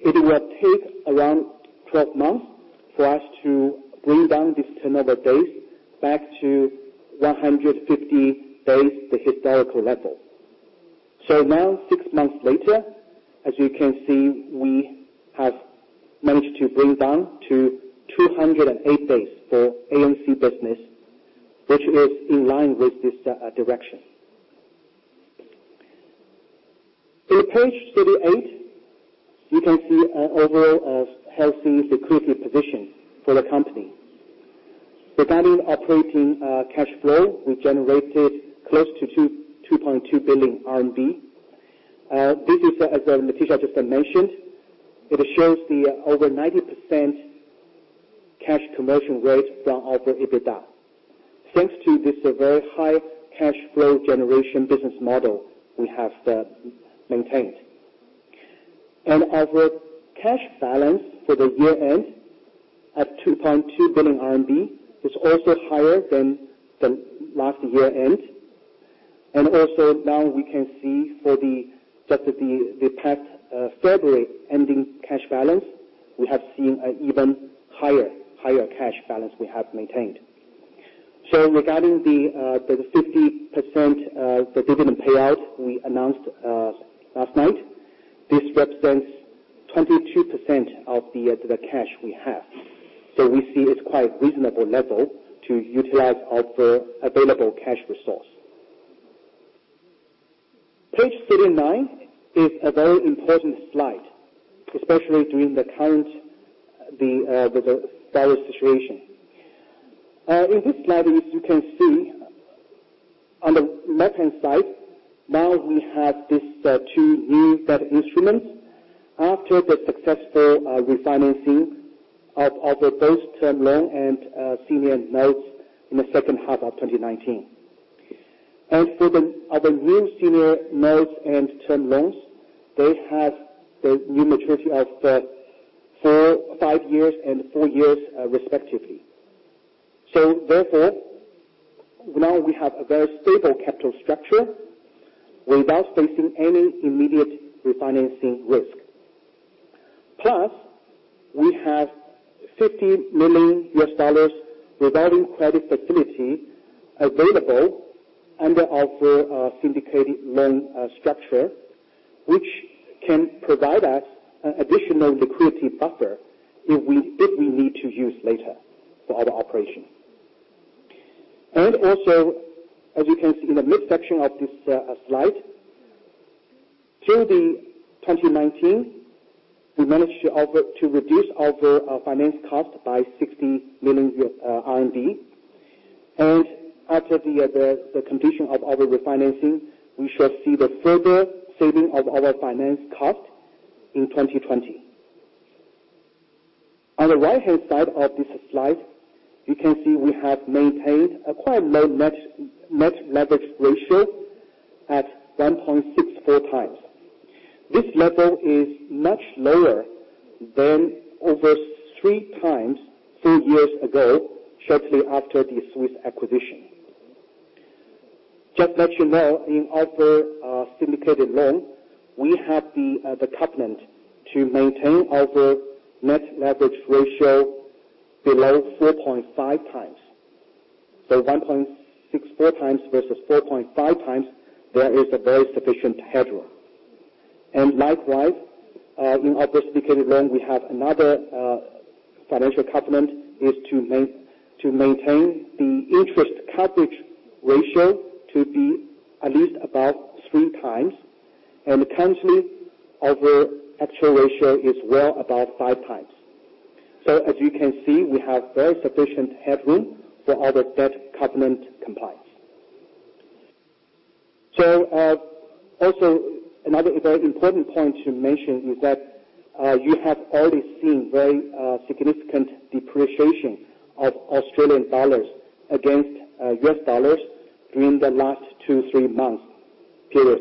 it would take around 12 months for us to bring down this turnover days back to 150 days, the historical level. Now, six months later, as you can see, we have managed to bring down to 208 days for ANC business, which is in line with this direction. In page 38, you can see an overall healthy liquidity position for the company. Regarding operating cash flow, we generated close to 2.2 billion RMB. This is, as Laetitia just mentioned, it shows the over 90% cash conversion rate from our EBITDA. Thanks to this very high cash flow generation business model we have maintained. Our cash balance for the year-end at 2.2 billion RMB is also higher than the last year-end. Now we can see for the past February ending cash balance, we have seen an even higher cash balance we have maintained. Regarding the 50% the dividend payout we announced last night, this represents 22% of the cash we have. We see it's quite reasonable level to utilize our available cash resource. Page 39 is a very important slide, especially during the current virus situation. In this slide, as you can see on the left-hand side, now we have these two new debt instruments after the successful refinancing of both term loan and senior notes in the second half of 2019. As for the our new senior notes and term loans, they have the new maturity of five years and four years, respectively. Therefore, now we have a very stable capital structure without facing any immediate refinancing risk. Plus, we have $50 million revolving credit facility available under our syndicated loan structure, which can provide us additional liquidity buffer if we need to use later for our operation. Also, as you can see in the mid-section of this slide, during 2019, we managed to reduce our finance cost by 60 million RMB. After the completion of our refinancing, we shall see the further saving of our finance cost in 2020. On the right-hand side of this slide, you can see we have maintained a quite low net leverage ratio at 1.64x. This level is much lower than over three times three years ago, shortly after the Swisse Wellness acquisition. Just let you know, in our syndicated loan, we have the covenant to maintain our net leverage ratio below 4.5x. 1.64x versus 4.5x. There is a very sufficient headroom. Likewise, in our syndicated loan, we have another financial covenant, is to maintain the interest coverage ratio to be at least above 3x. Currently, our actual ratio is well above five times. As you can see, we have very sufficient headroom for our debt covenant compliance. Also, another very important point to mention is that you have already seen very significant depreciation of Australian dollars against US dollars during the last two, three months period.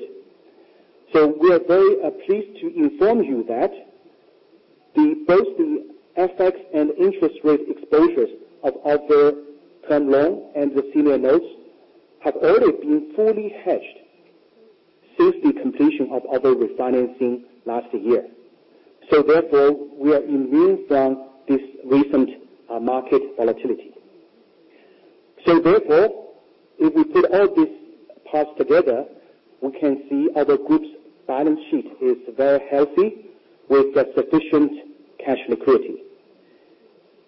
We are very pleased to inform you that both the FX and interest rate exposures of our term loan and the senior notes have already been fully hedged since the completion of our refinancing last year. Therefore, we are immune from this recent market volatility. Therefore, if we put all these parts together, we can see our group's balance sheet is very healthy with sufficient cash liquidity.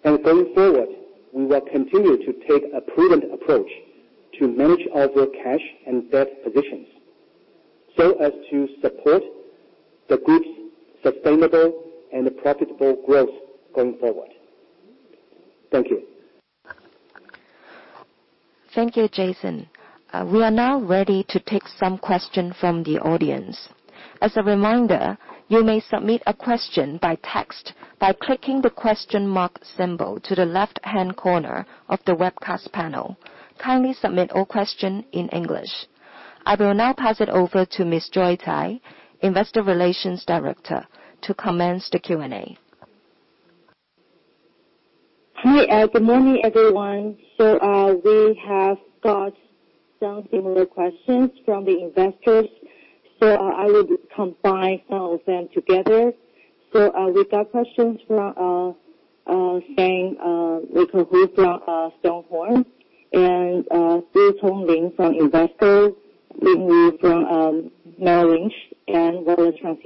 Going forward, we will continue to take a prudent approach to manage our cash and debt positions so as to support the group's sustainable and profitable growth going forward. Thank you. Thank you, Jason. We are now ready to take some question from the audience. As a reminder, you may submit a question by text by clicking the question mark symbol to the left-hand corner of the webcast panel. Kindly submit all question in English. I will now pass it over to Ms. Joy Tsai, Investor Relations Director, to commence the Q&A. Hi. Good morning, everyone. We have got some similar questions from the investors. I will combine some of them together. We got questions from (Shane Rickhove from Stonehorn) and Su Tong Ling from Investors, (Ling Yi from Merrill Lynch), and (Wallace from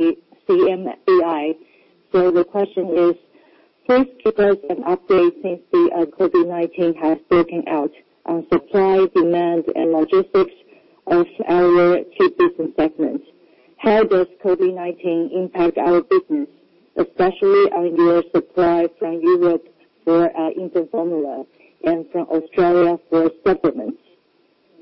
CMBI). The question is, please give us an update since the COVID-19 has broken out on supply, demand, and logistics of our Chinese investments. How does COVID-19 impact our business, especially on your supply from Europe for infant formula and from Australia for supplements?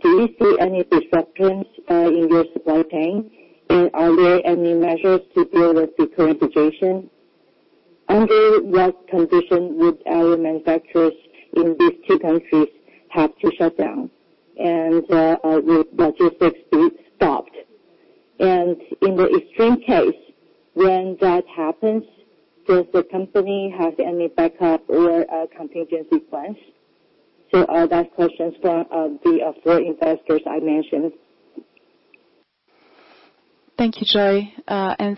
Do you see any disruptions in your supply chain? Are there any measures to deal with the current situation? Under what condition would our manufacturers in these two countries have to shut down and logistics be stopped? In the extreme case, when that happens, does the company have any backup or contingency plans? All that questions from the four investors I mentioned. Thank you, Joy.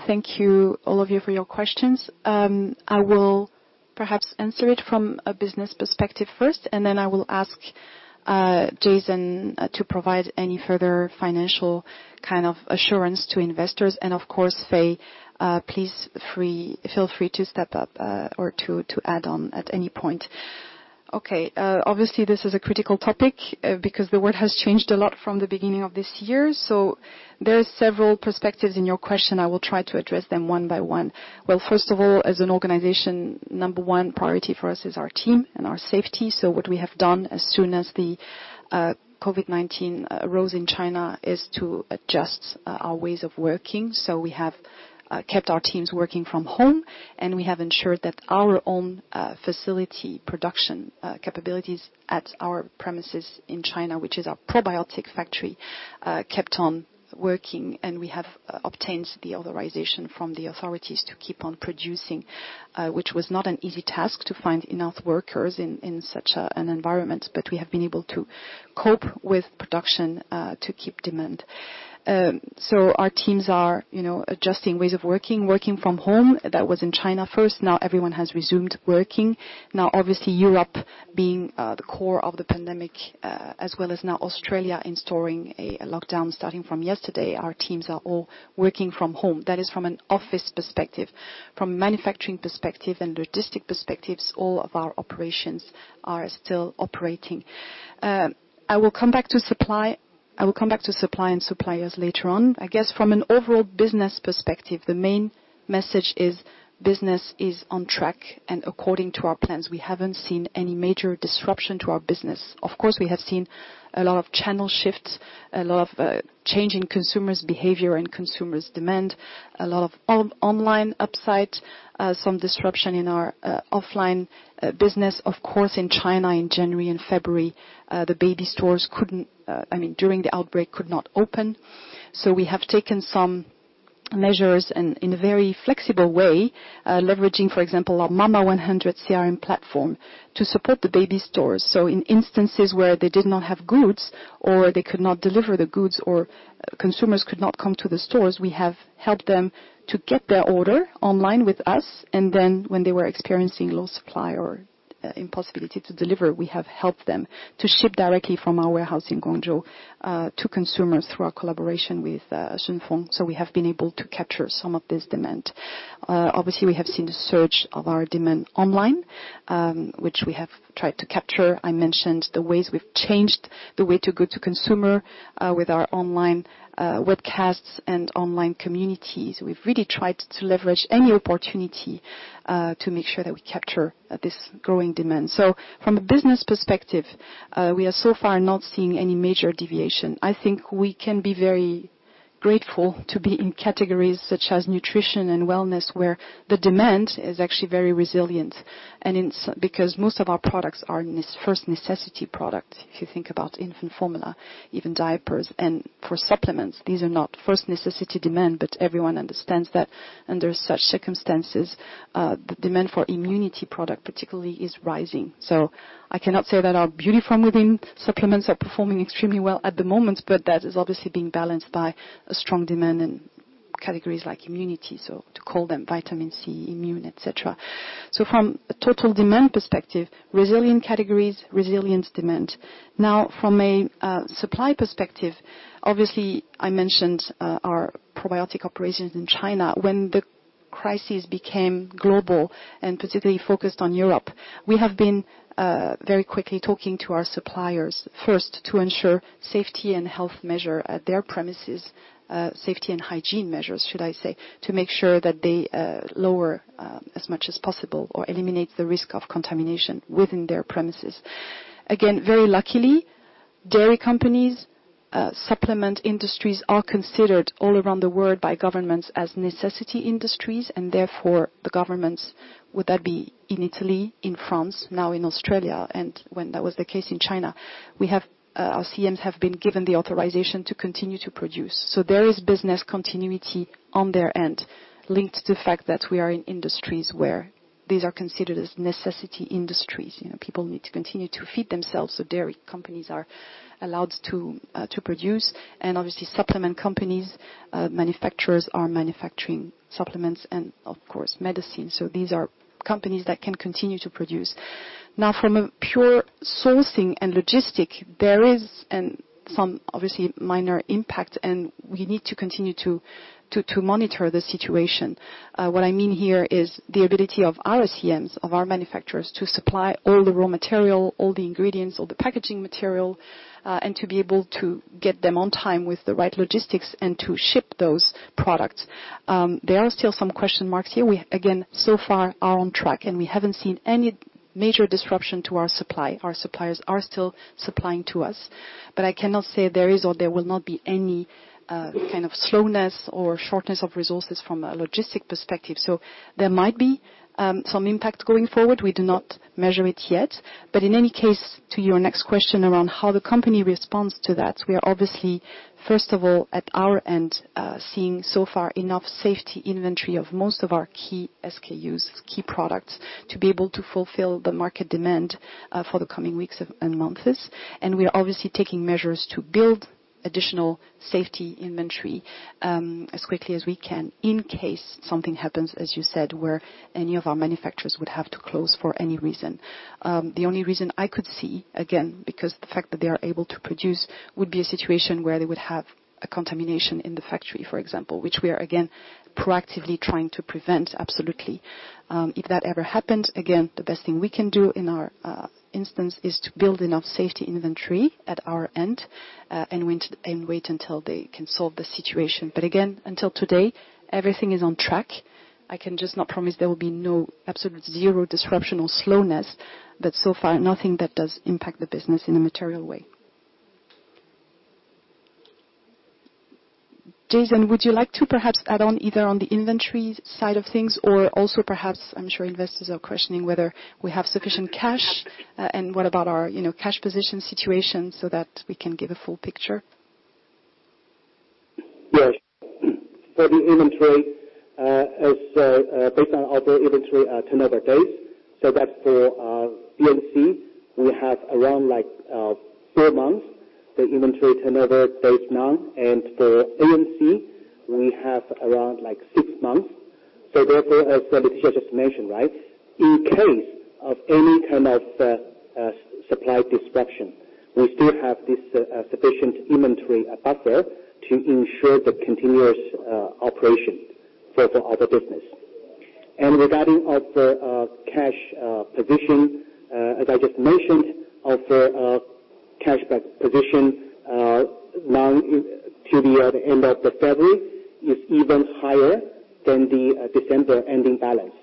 Thank you all of you for your questions. I will perhaps answer it from a business perspective first, then I will ask Jason to provide any further financial kind of assurance to investors. Of course, Fei, please feel free to step up or to add on at any point. Okay. Obviously, this is a critical topic because the world has changed a lot from the beginning of this year. There are several perspectives in your question. I will try to address them one by one. Well, first of all, as an organization, number one priority for us is our team and our safety. What we have done as soon as the COVID-19 arose in China is to adjust our ways of working. We have kept our teams working from home. We have ensured that our own facility production capabilities at our premises in China, which is our probiotic factory, kept on working. We have obtained the authorization from the authorities to keep on producing, which was not an easy task to find enough workers in such an environment. We have been able to cope with production to keep demand. Our teams are adjusting ways of working from home. That was in China first. Everyone has resumed working. Now, obviously, Europe being the core of the pandemic as well as now Australia entering a lockdown starting from yesterday, our teams are all working from home. That is from an office perspective. From manufacturing perspective and logistic perspectives, all of our operations are still operating. I will come back to supply and suppliers later on. I guess from an overall business perspective, the main message is business is on track and according to our plans. We haven't seen any major disruption to our business. Of course, we have seen a lot of channel shifts, a lot of change in consumers' behavior and consumers' demand, a lot of online upside, some disruption in our offline business. Of course, in China, in January and February, the baby stores, during the outbreak could not open. We have taken some measures and in a very flexible way, leveraging, for example, our Mama100 CRM platform to support the baby stores. In instances where they did not have goods or they could not deliver the goods or consumers could not come to the stores, we have helped them to get their order online with us, and then when they were experiencing low supply or impossibility to deliver, we have helped them to ship directly from our warehouse in Guangzhou to consumers through our collaboration with SF Express. We have been able to capture some of this demand. Obviously, we have seen a surge of our demand online, which we have tried to capture. I mentioned the ways we've changed the way to go to consumer, with our online webcasts and online communities. We've really tried to leverage any opportunity to make sure that we capture this growing demand. From a business perspective, we are so far not seeing any major deviation. I think we can be very grateful to be in categories such as nutrition and wellness, where the demand is actually very resilient. Because most of our products are first necessity product, if you think about infant formula, even diapers, and for supplements, these are not first necessity demand. Everyone understands that under such circumstances, the demand for immunity product particularly is rising. I cannot say that our Beauty from Within supplements are performing extremely well at the moment, but that is obviously being balanced by a strong demand in categories like immunity, to call them vitamin C, immune, et cetera. From a total demand perspective, resilient categories, resilient demand. From a supply perspective, obviously I mentioned our probiotic operations in China when the crisis became global and particularly focused on Europe. We have been very quickly talking to our suppliers first to ensure safety and health measure at their premises, safety and hygiene measures, should I say, to make sure that they lower as much as possible or eliminate the risk of contamination within their premises. Again, very luckily, dairy companies, supplement industries are considered all around the world by governments as necessity industries and therefore the governments, whether that be in Italy, in France, now in Australia, and when that was the case in China, our CMs have been given the authorization to continue to produce. There is business continuity on their end linked to the fact that we are in industries where these are considered as necessity industries. People need to continue to feed themselves, so dairy companies are allowed to produce. Obviously supplement companies, manufacturers are manufacturing supplements and of course medicines. These are companies that can continue to produce. From a pure sourcing and logistics, there is some obviously minor impact, and we need to continue to monitor the situation. What I mean here is the ability of our CMs, of our manufacturers to supply all the raw material, all the ingredients, all the packaging material, and to be able to get them on time with the right logistics and to ship those products. There are still some question marks here. We, again, so far are on track, and we haven't seen any major disruption to our supply. Our suppliers are still supplying to us, but I cannot say there is or there will not be any kind of slowness or shortness of resources from a logistics perspective. There might be some impact going forward. We do not measure it yet. In any case, to your next question around how the company responds to that, we are obviously, first of all, at our end, seeing so far enough safety inventory of most of our key SKUs, key products, to be able to fulfill the market demand for the coming weeks and months. We are obviously taking measures to build additional safety inventory as quickly as we can in case something happens, as you said, where any of our manufacturers would have to close for any reason. The only reason I could see, again, because the fact that they are able to produce, would be a situation where they would have a contamination in the factory, for example, which we are again, proactively trying to prevent absolutely. If that ever happens, again, the best thing we can do in our instance is to build enough safety inventory at our end, and wait until they can solve the situation. Again, until today, everything is on track. I can just not promise there will be no absolute zero disruption or slowness, but so far, nothing that does impact the business in a material way. Jason, would you like to perhaps add on either on the inventory side of things or also perhaps, I'm sure investors are questioning whether we have sufficient cash, and what about our cash position situation so that we can give a full picture? Yes. For the inventory, based on our inventory turnover days, for BNC, we have around four months, the inventory turnover days now, and for ANC, we have around six months. Therefore, as Laetitia just mentioned, in case of any kind of supply disruption, we still have this sufficient inventory buffer to ensure the continuous operation for our business. Regarding our cash position, as I just mentioned, our cash position to the end of February is even higher than the December ending balance.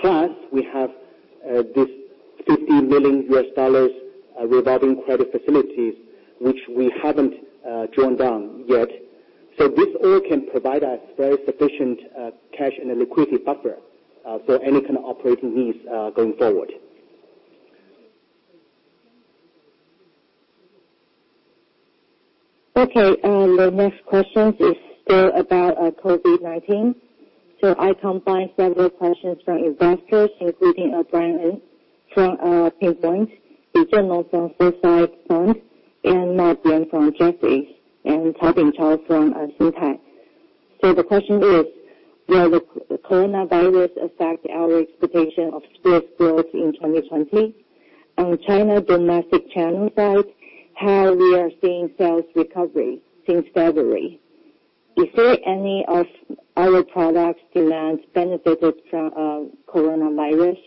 Plus, we have this $50 million revolving credit facilities, which we haven't drawn down yet. This all can provide us very sufficient cash and liquidity buffer for any kind of operating needs going forward. Okay. The next question is still about COVID-19. I combined several questions from investors, including (Brian Lin from Pictet, (Li Zhenlong from Foresight Fund), (Ma Ben from Jesse), and (Ta Ping Chao from Cinda). The question is, will the coronavirus affect our expectation of sales growth in 2020? On China domestic channel side, how we are seeing sales recovery since February? Is there any of our products demands benefited from coronavirus?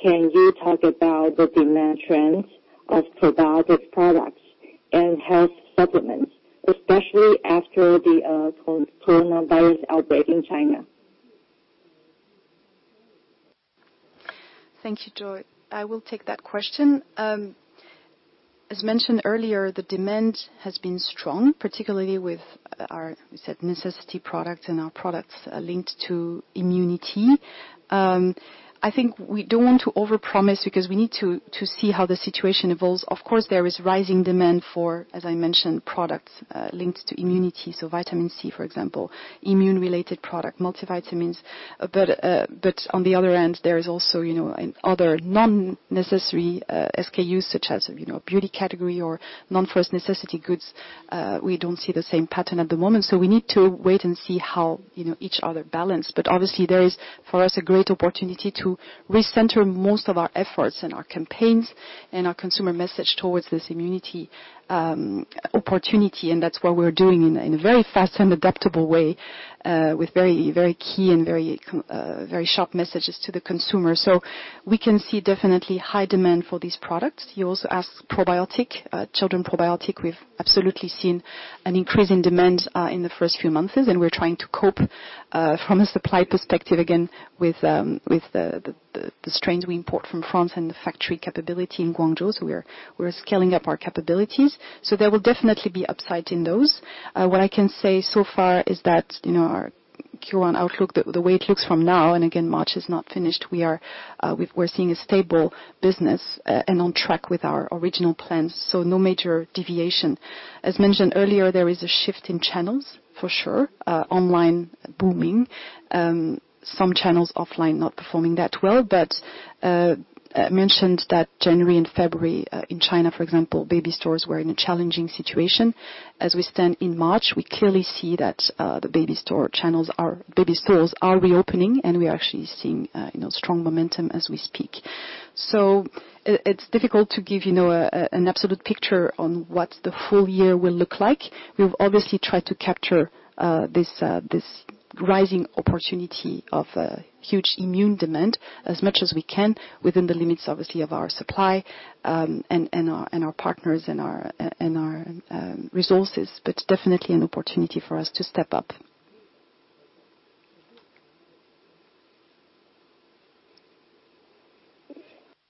Can you talk about the demand trends of probiotic products and health supplements, especially after the coronavirus outbreak in China? Thank you, Joy. I will take that question. As mentioned earlier, the demand has been strong, particularly with our necessity products and our products linked to immunity. I think we don't want to overpromise because we need to see how the situation evolves. There is rising demand for, as I mentioned, products linked to immunity. Vitamin C, for example, immune-related product, multivitamins. On the other end, there is also other non-necessary SKUs such as beauty category or non-first necessity goods. We don't see the same pattern at the moment, so we need to wait and see how each other balance. Obviously there is, for us, a great opportunity to recenter most of our efforts and our campaigns and our consumer message towards this immunity opportunity, and that's what we're doing in a very fast and adaptable way, with very key and very sharp messages to the consumer. We can see definitely high demand for these products. You also asked probiotic, children probiotic. We've absolutely seen an increase in demand in the first few months, and we're trying to cope, from a supply perspective, again, with the strains we import from France and the factory capability in Guangzhou. We're scaling up our capabilities. There will definitely be upside in those. What I can say so far is that our Q1 outlook, the way it looks from now, and again, March is not finished, we're seeing a stable business, and on track with our original plans. No major deviation. As mentioned earlier, there is a shift in channels, for sure. Online booming. Some channels offline not performing that well. I mentioned that January and February in China, for example, baby stores were in a challenging situation. As we stand in March, we clearly see that the baby store channels are reopening, and we are actually seeing strong momentum as we speak. It's difficult to give an absolute picture on what the full year will look like. We've obviously tried to capture this rising opportunity of a huge immune demand as much as we can within the limits, obviously, of our supply, and our partners and our resources, but definitely an opportunity for us to step up.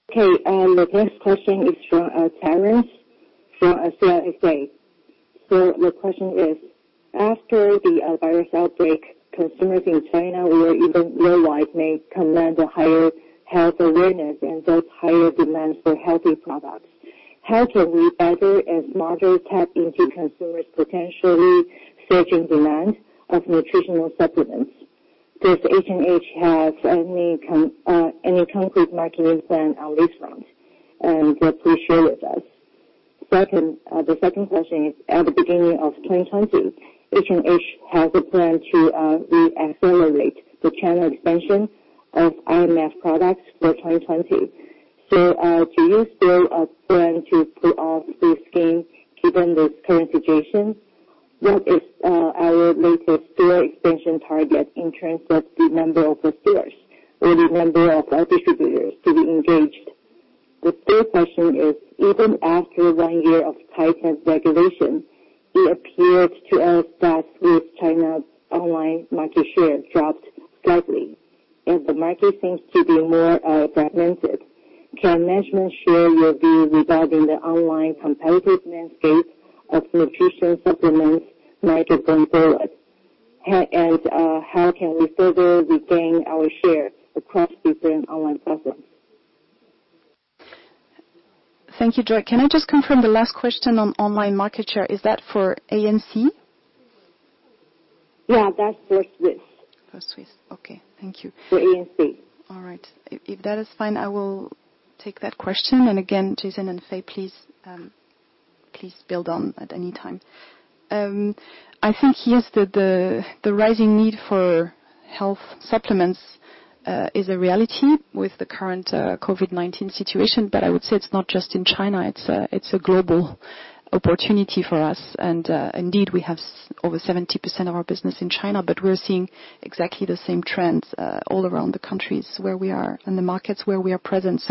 Okay. The next question is from Terrence from CLSA. The question is, after the virus outbreak, consumers in China or even worldwide may command a higher health awareness and thus higher demand for healthy products. How can we better and smarter tap into consumers' potentially surging demand of nutritional supplements? Does H&H have any concrete marketing plan on this front that you can share with us? The second question is, at the beginning of 2020, H&H Group has a plan to re-accelerate the channel expansion of IMF products for 2020. Do you still plan to pull off this scheme given the current situation? What is our latest store expansion target in terms of the number of the stores or the number of our distributors to be engaged? The third question is, even after one year of tightened regulation, it appears to us that Swisse China online market share dropped slightly, and the market seems to be more fragmented. Can management share your view regarding the online competitive landscape of nutrition supplements market going forward? How can we further regain our share across different online platforms? Thank you, Joy. Can I just confirm the last question on online market share, is that for ANC? Yeah, that's for Swisse Wellness. For Swisse Wellness. Okay. Thank you. For ANC. All right. If that is fine, I will take that question. Again, Jason and Fei, please build on at any time. I think, yes, the rising need for health supplements is a reality with the current COVID-19 situation. I would say it's not just in China, it's a global opportunity for us. Indeed, we have over 70% of our business in China, but we're seeing exactly the same trends all around the countries where we are and the markets where we are present.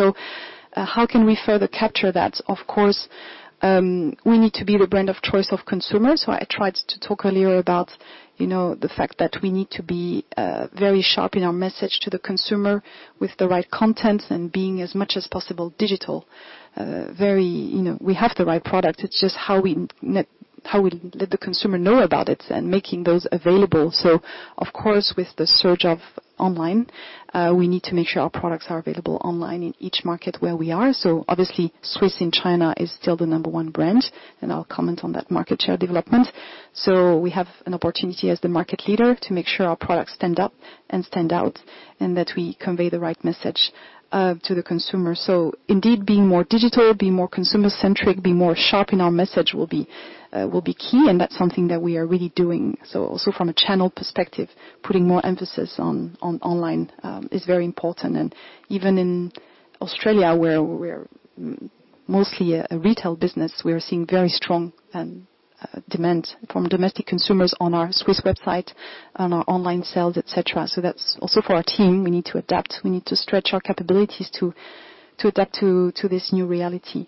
How can we further capture that? Of course, we need to be the brand of choice of consumers. I tried to talk earlier about the fact that we need to be very sharp in our message to the consumer with the right content and being as much as possible digital. We have the right product, it's just how we let the consumer know about it and making those available. Of course, with the surge of online, we need to make sure our products are available online in each market where we are. Obviously, Swisse in China is still the number one brand, and I'll comment on that market share development. We have an opportunity as the market leader to make sure our products stand up and stand out, and that we convey the right message to the consumer. Indeed, being more digital, being more consumer-centric, being more sharp in our message will be key, and that's something that we are really doing. Also from a channel perspective, putting more emphasis on online is very important. Even in Australia, where we're mostly a retail business, we are seeing very strong demand from domestic consumers on our Swisse website, on our online sales, et cetera. That's also for our team. We need to adapt. We need to stretch our capabilities to adapt to this new reality.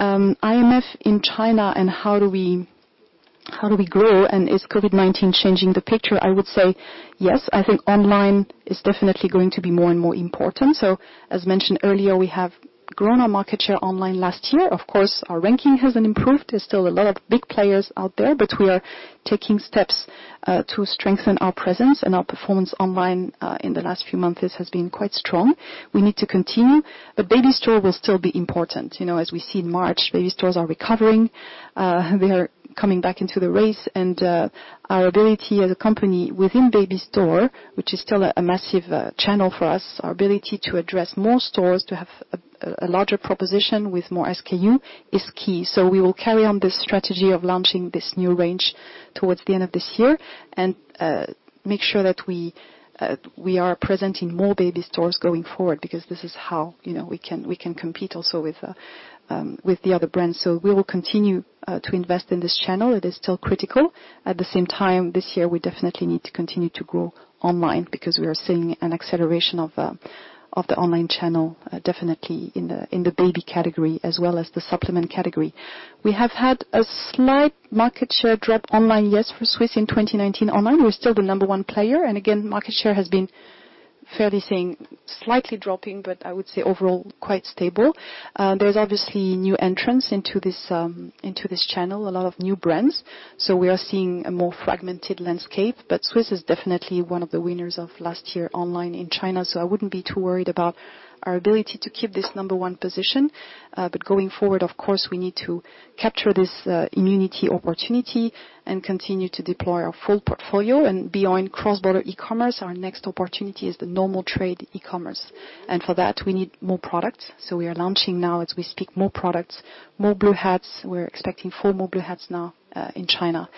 IMF in China and how do we grow, and is COVID-19 changing the picture? I would say yes. I think online is definitely going to be more and more important. As mentioned earlier, we have grown our market share online last year. Of course, our ranking hasn't improved. There's still a lot of big players out there, but we are taking steps to strengthen our presence and our performance online. In the last few months, this has been quite strong. We need to continue. Baby store will still be important. As we see in March, baby stores are recovering. They are coming back into the race. Our ability as a company within baby store, which is still a massive channel for us, our ability to address more stores, to have a larger proposition with more SKU is key. We will carry on this strategy of launching this new range towards the end of this year and make sure that we are present in more baby stores going forward because this is how we can compete also with the other brands. We will continue to invest in this channel. It is still critical. At the same time, this year, we definitely need to continue to grow online because we are seeing an acceleration of the online channel, definitely in the baby category as well as the supplement category. We have had a slight market share drop online, yes, for Swisse in 2019 online. We're still the number one player, again, market share has been fairly saying slightly dropping, I would say overall quite stable. There's obviously new entrants into this channel, a lot of new brands. We are seeing a more fragmented landscape. Swisse is definitely one of the winners of last year online in China. I wouldn't be too worried about our ability to keep this number one position. Going forward, of course, we need to capture this immunity opportunity and continue to deploy our full portfolio. Beyond cross-border e-commerce, our next opportunity is the normal trade e-commerce. For that, we need more products. We are launching now as we speak, more products, more blue hats. We're expecting four more blue hats now in China.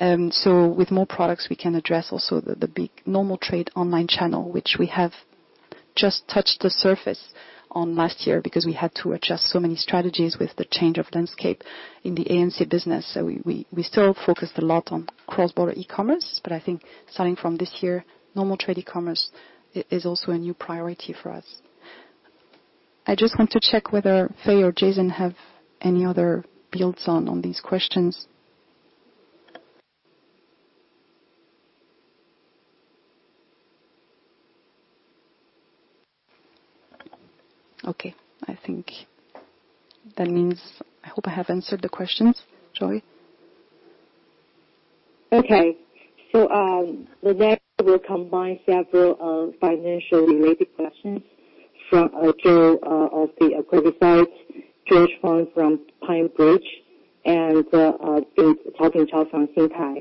With more products, we can address also the big normal trade online channel, which we have just touched the surface on last year because we had to adjust so many strategies with the change of landscape in the ANC business. We still focused a lot on cross-border e-commerce, but I think starting from this year, normal trade e-commerce is also a new priority for us. I just want to check whether Fei or Jason have any other builds on these questions. Okay. I think that means I hope I have answered the questions, Joy. The next will combine several financial related questions from Joe, (George Fong from PineBridge), and (Kin San Chow from Singta).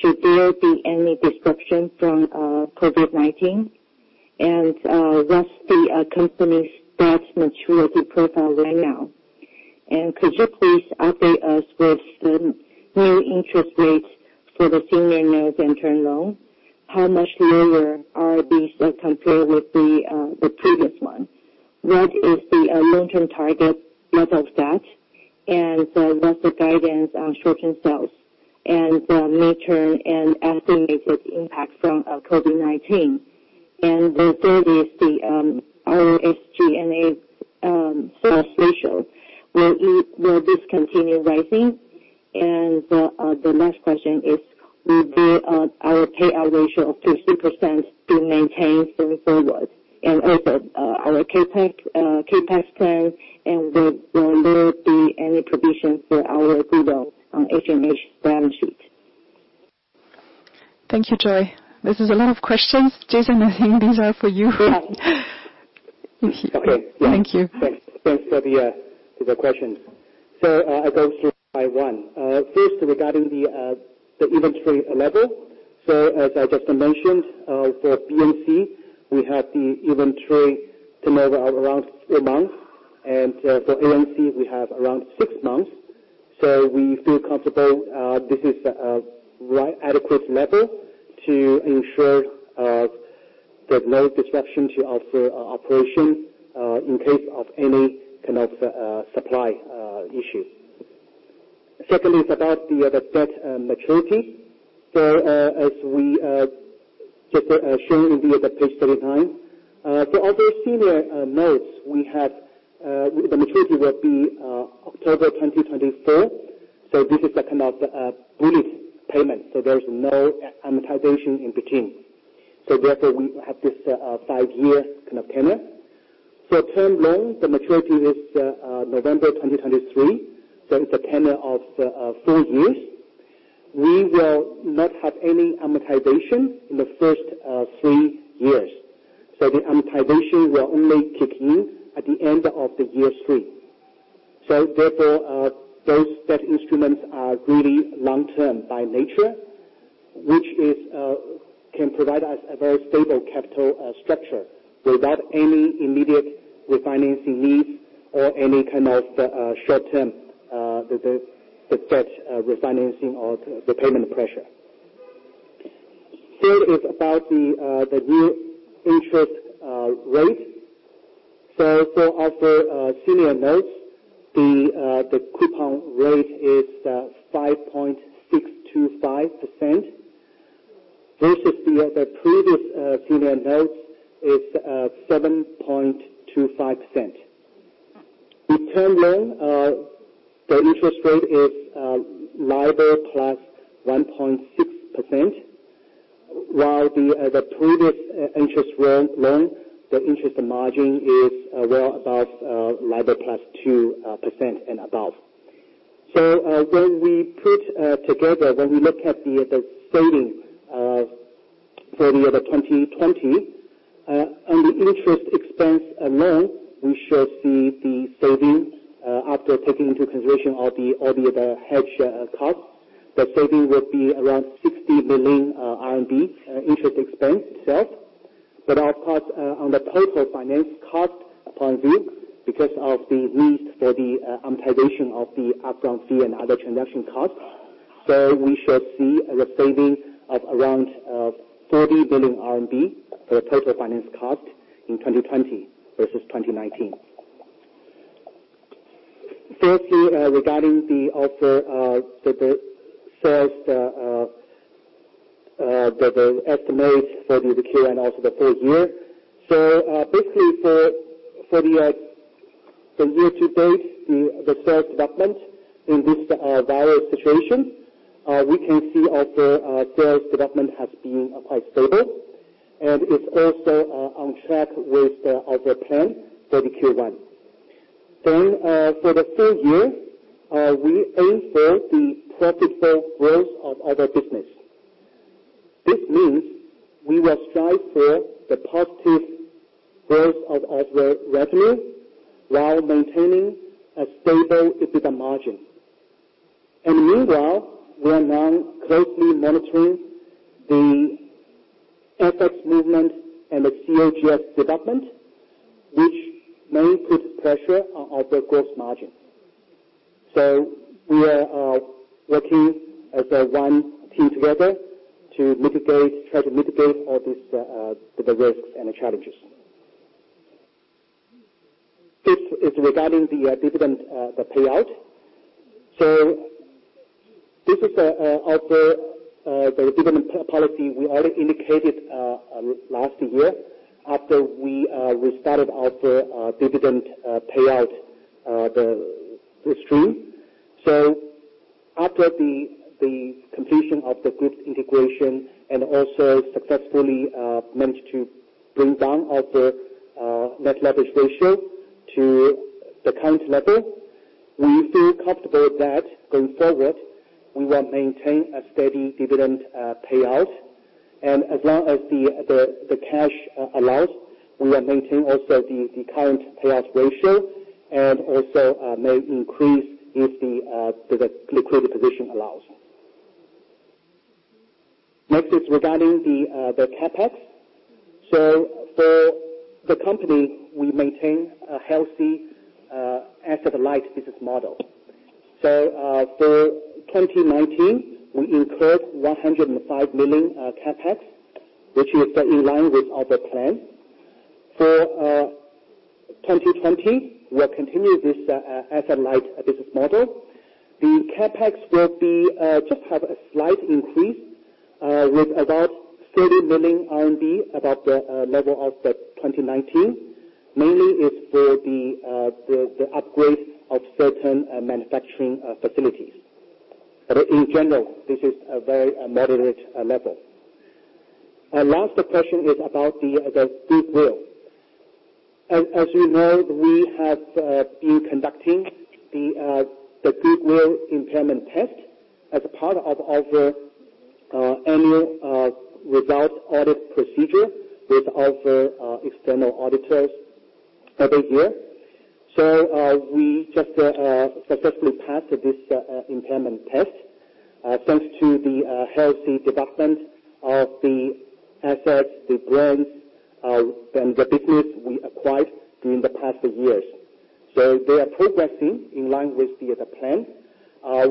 Should there be any disruption from COVID-19? What's the company's debt maturity profile right now? Could you please update us with the new interest rates for the senior notes and term loan? How much lower are these compared with the previous one? What is the long-term target level of debt, and what's the guidance on short-term sales and the mid-term and estimated impact from COVID-19? The third is the SG&A sales ratio. Will this continue rising? The last question is, will our payout ratio of 30% be maintained going forward? Also our CapEx plan, and will there be any provision for our put on H&H balance sheet? Thank you, Joy. This is a lot of questions. Jason, I think these are for you. Okay. Thank you. Thanks for the questions. I'll go through by one. First, regarding the inventory level. As I just mentioned, for BNC, we have the inventory turnover of around a four month, and for ANC, we have around six months. We feel comfortable this is a right adequate level to ensure there's no disruption to our operation in case of any kind of supply issues. Secondly, it's about the debt maturity. As we just shown in the page 39. Of our senior notes, the maturity will be October 2024. This is a kind of bullet payment, so there's no amortization in between. Therefore we have this five-year kind of tenure. For term loan, the maturity is November 2023. It's a tenure of four years. We will not have any amortization in the first three years. The amortization will only kick in at the end of the year three. Therefore, those debt instruments are really long-term by nature, which can provide us a very stable capital structure without any immediate refinancing needs or any kind of short-term debt refinancing or repayment pressure. Third is about the new interest rate. For our senior notes, the coupon rate is 5.625% versus the previous senior notes is 7.25%. The term loan, the interest rate is LIBOR plus 1.6%, while the previous interest loan, the interest margin is well above LIBOR plus 2% and above. When we look at the saving for the year 2020, on the interest expense alone, we should see the saving after taking into consideration all the hedge costs. The saving will be around 60 million RMB interest expense itself. Of course, on the total finance cost point of view, because of the need for the amortization of the upfront fee and other transaction costs, we should see the saving of around 40 million RMB for total finance cost in 2020 versus 2019. Fourthly, regarding the sales, the estimates for the Q1 and also the full year. Basically for the year to date, the sales development in this viral situation, we can see our sales development has been quite stable and it's also on track with our plan for the Q1. For the full year, we aim for the profitable growth of our business. This means we will strive for the positive growth of our revenue while maintaining a stable EBITDA margin. Meanwhile, we are now closely monitoring the FX movement and the COGS development, which may put pressure on our gross margin. We are working as one team together to try to mitigate all these risks and challenges. Fifth is regarding the dividend payout. This is our dividend policy we already indicated last year after we restarted our dividend payout stream. After the completion of the H&H Group's integration and also successfully managed to bring down our net leverage ratio to the current level, we feel comfortable that going forward we will maintain a steady dividend payout. As long as the cash allows, we will maintain also the current payout ratio and also may increase if the liquidity position allows. Next is regarding the CapEx. For the company, we maintain a healthy asset-light business model. For 2019, we incurred 105 million CapEx, which is in line with our plan. For 2020, we will continue this asset-light business model. The CapEx will just have a slight increase with about 30 million RMB above the level of 2019. Mainly it's for the upgrade of certain manufacturing facilities. In general, this is a very moderate level. Last question is about the goodwill. As you know, we have been conducting the goodwill impairment test as part of our annual result audit procedure with our external auditors every year. We just successfully passed this impairment test thanks to the healthy development of the assets, the brands, and the business we acquired during the past years. They are progressing in line with the plan.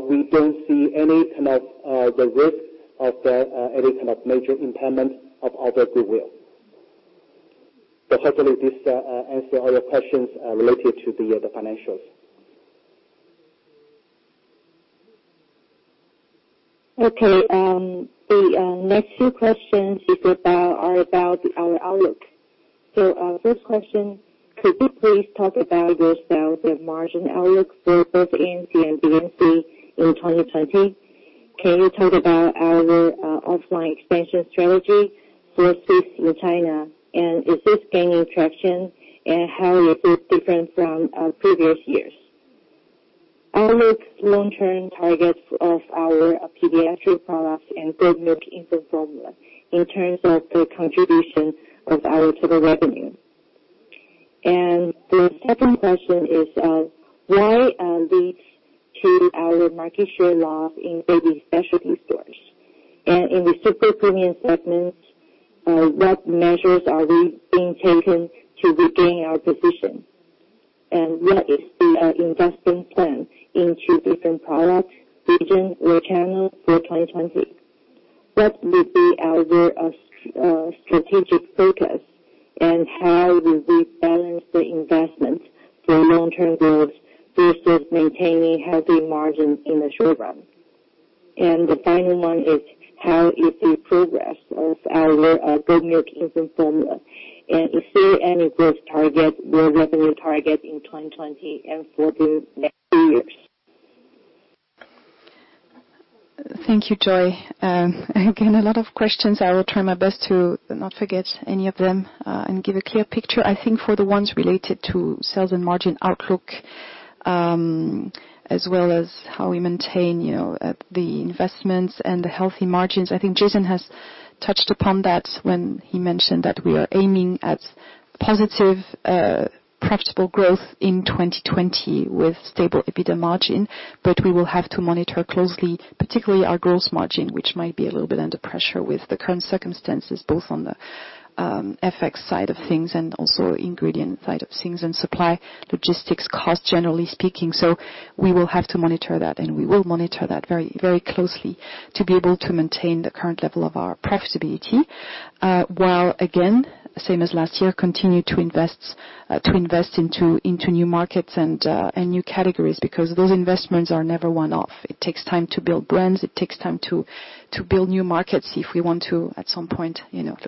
We don't see any risk of any kind of major impairment of other goodwill. Hopefully this answers all your questions related to the financials. Okay. The next few questions is about our outlook. First question, could you please talk about the sales and margin outlook for both ANC and BNC in 2020? Can you talk about our offline expansion strategy for Swisse in China, and is this gaining traction, and how is it different from previous years? Our long-term targets of our pediatric products and goat milk infant formula in terms of the contribution of our total revenue. The second question is, what leads to our market share loss in baby specialty stores? In the super premium segment, what measures are being taken to regain our position? What is the investment plan into different products, regions or channels for 2020? What will be our strategic focus, and how will we balance the investments for long-term growth versus maintaining healthy margins in the short run? The final one is how is the progress of our goat milk infant formula, and is there any growth target or revenue target in 2020 and for the next few years? Thank you, Joy. Again, a lot of questions. I will try my best to not forget any of them and give a clear picture. I think for the ones related to sales and margin outlook, as well as how we maintain the investments and the healthy margins, I think Jason has touched upon that when he mentioned that we are aiming at positive profitable growth in 2020 with stable EBITDA margin. We will have to monitor closely, particularly our gross margin, which might be a little bit under pressure with the current circumstances, both on the FX side of things and also ingredient side of things and supply logistics cost, generally speaking. We will have to monitor that, and we will monitor that very closely to be able to maintain the current level of our profitability. Again, same as last year, continue to invest into new markets and new categories because those investments are never one-off. It takes time to build brands. It takes time to build new markets if we want to, at some point,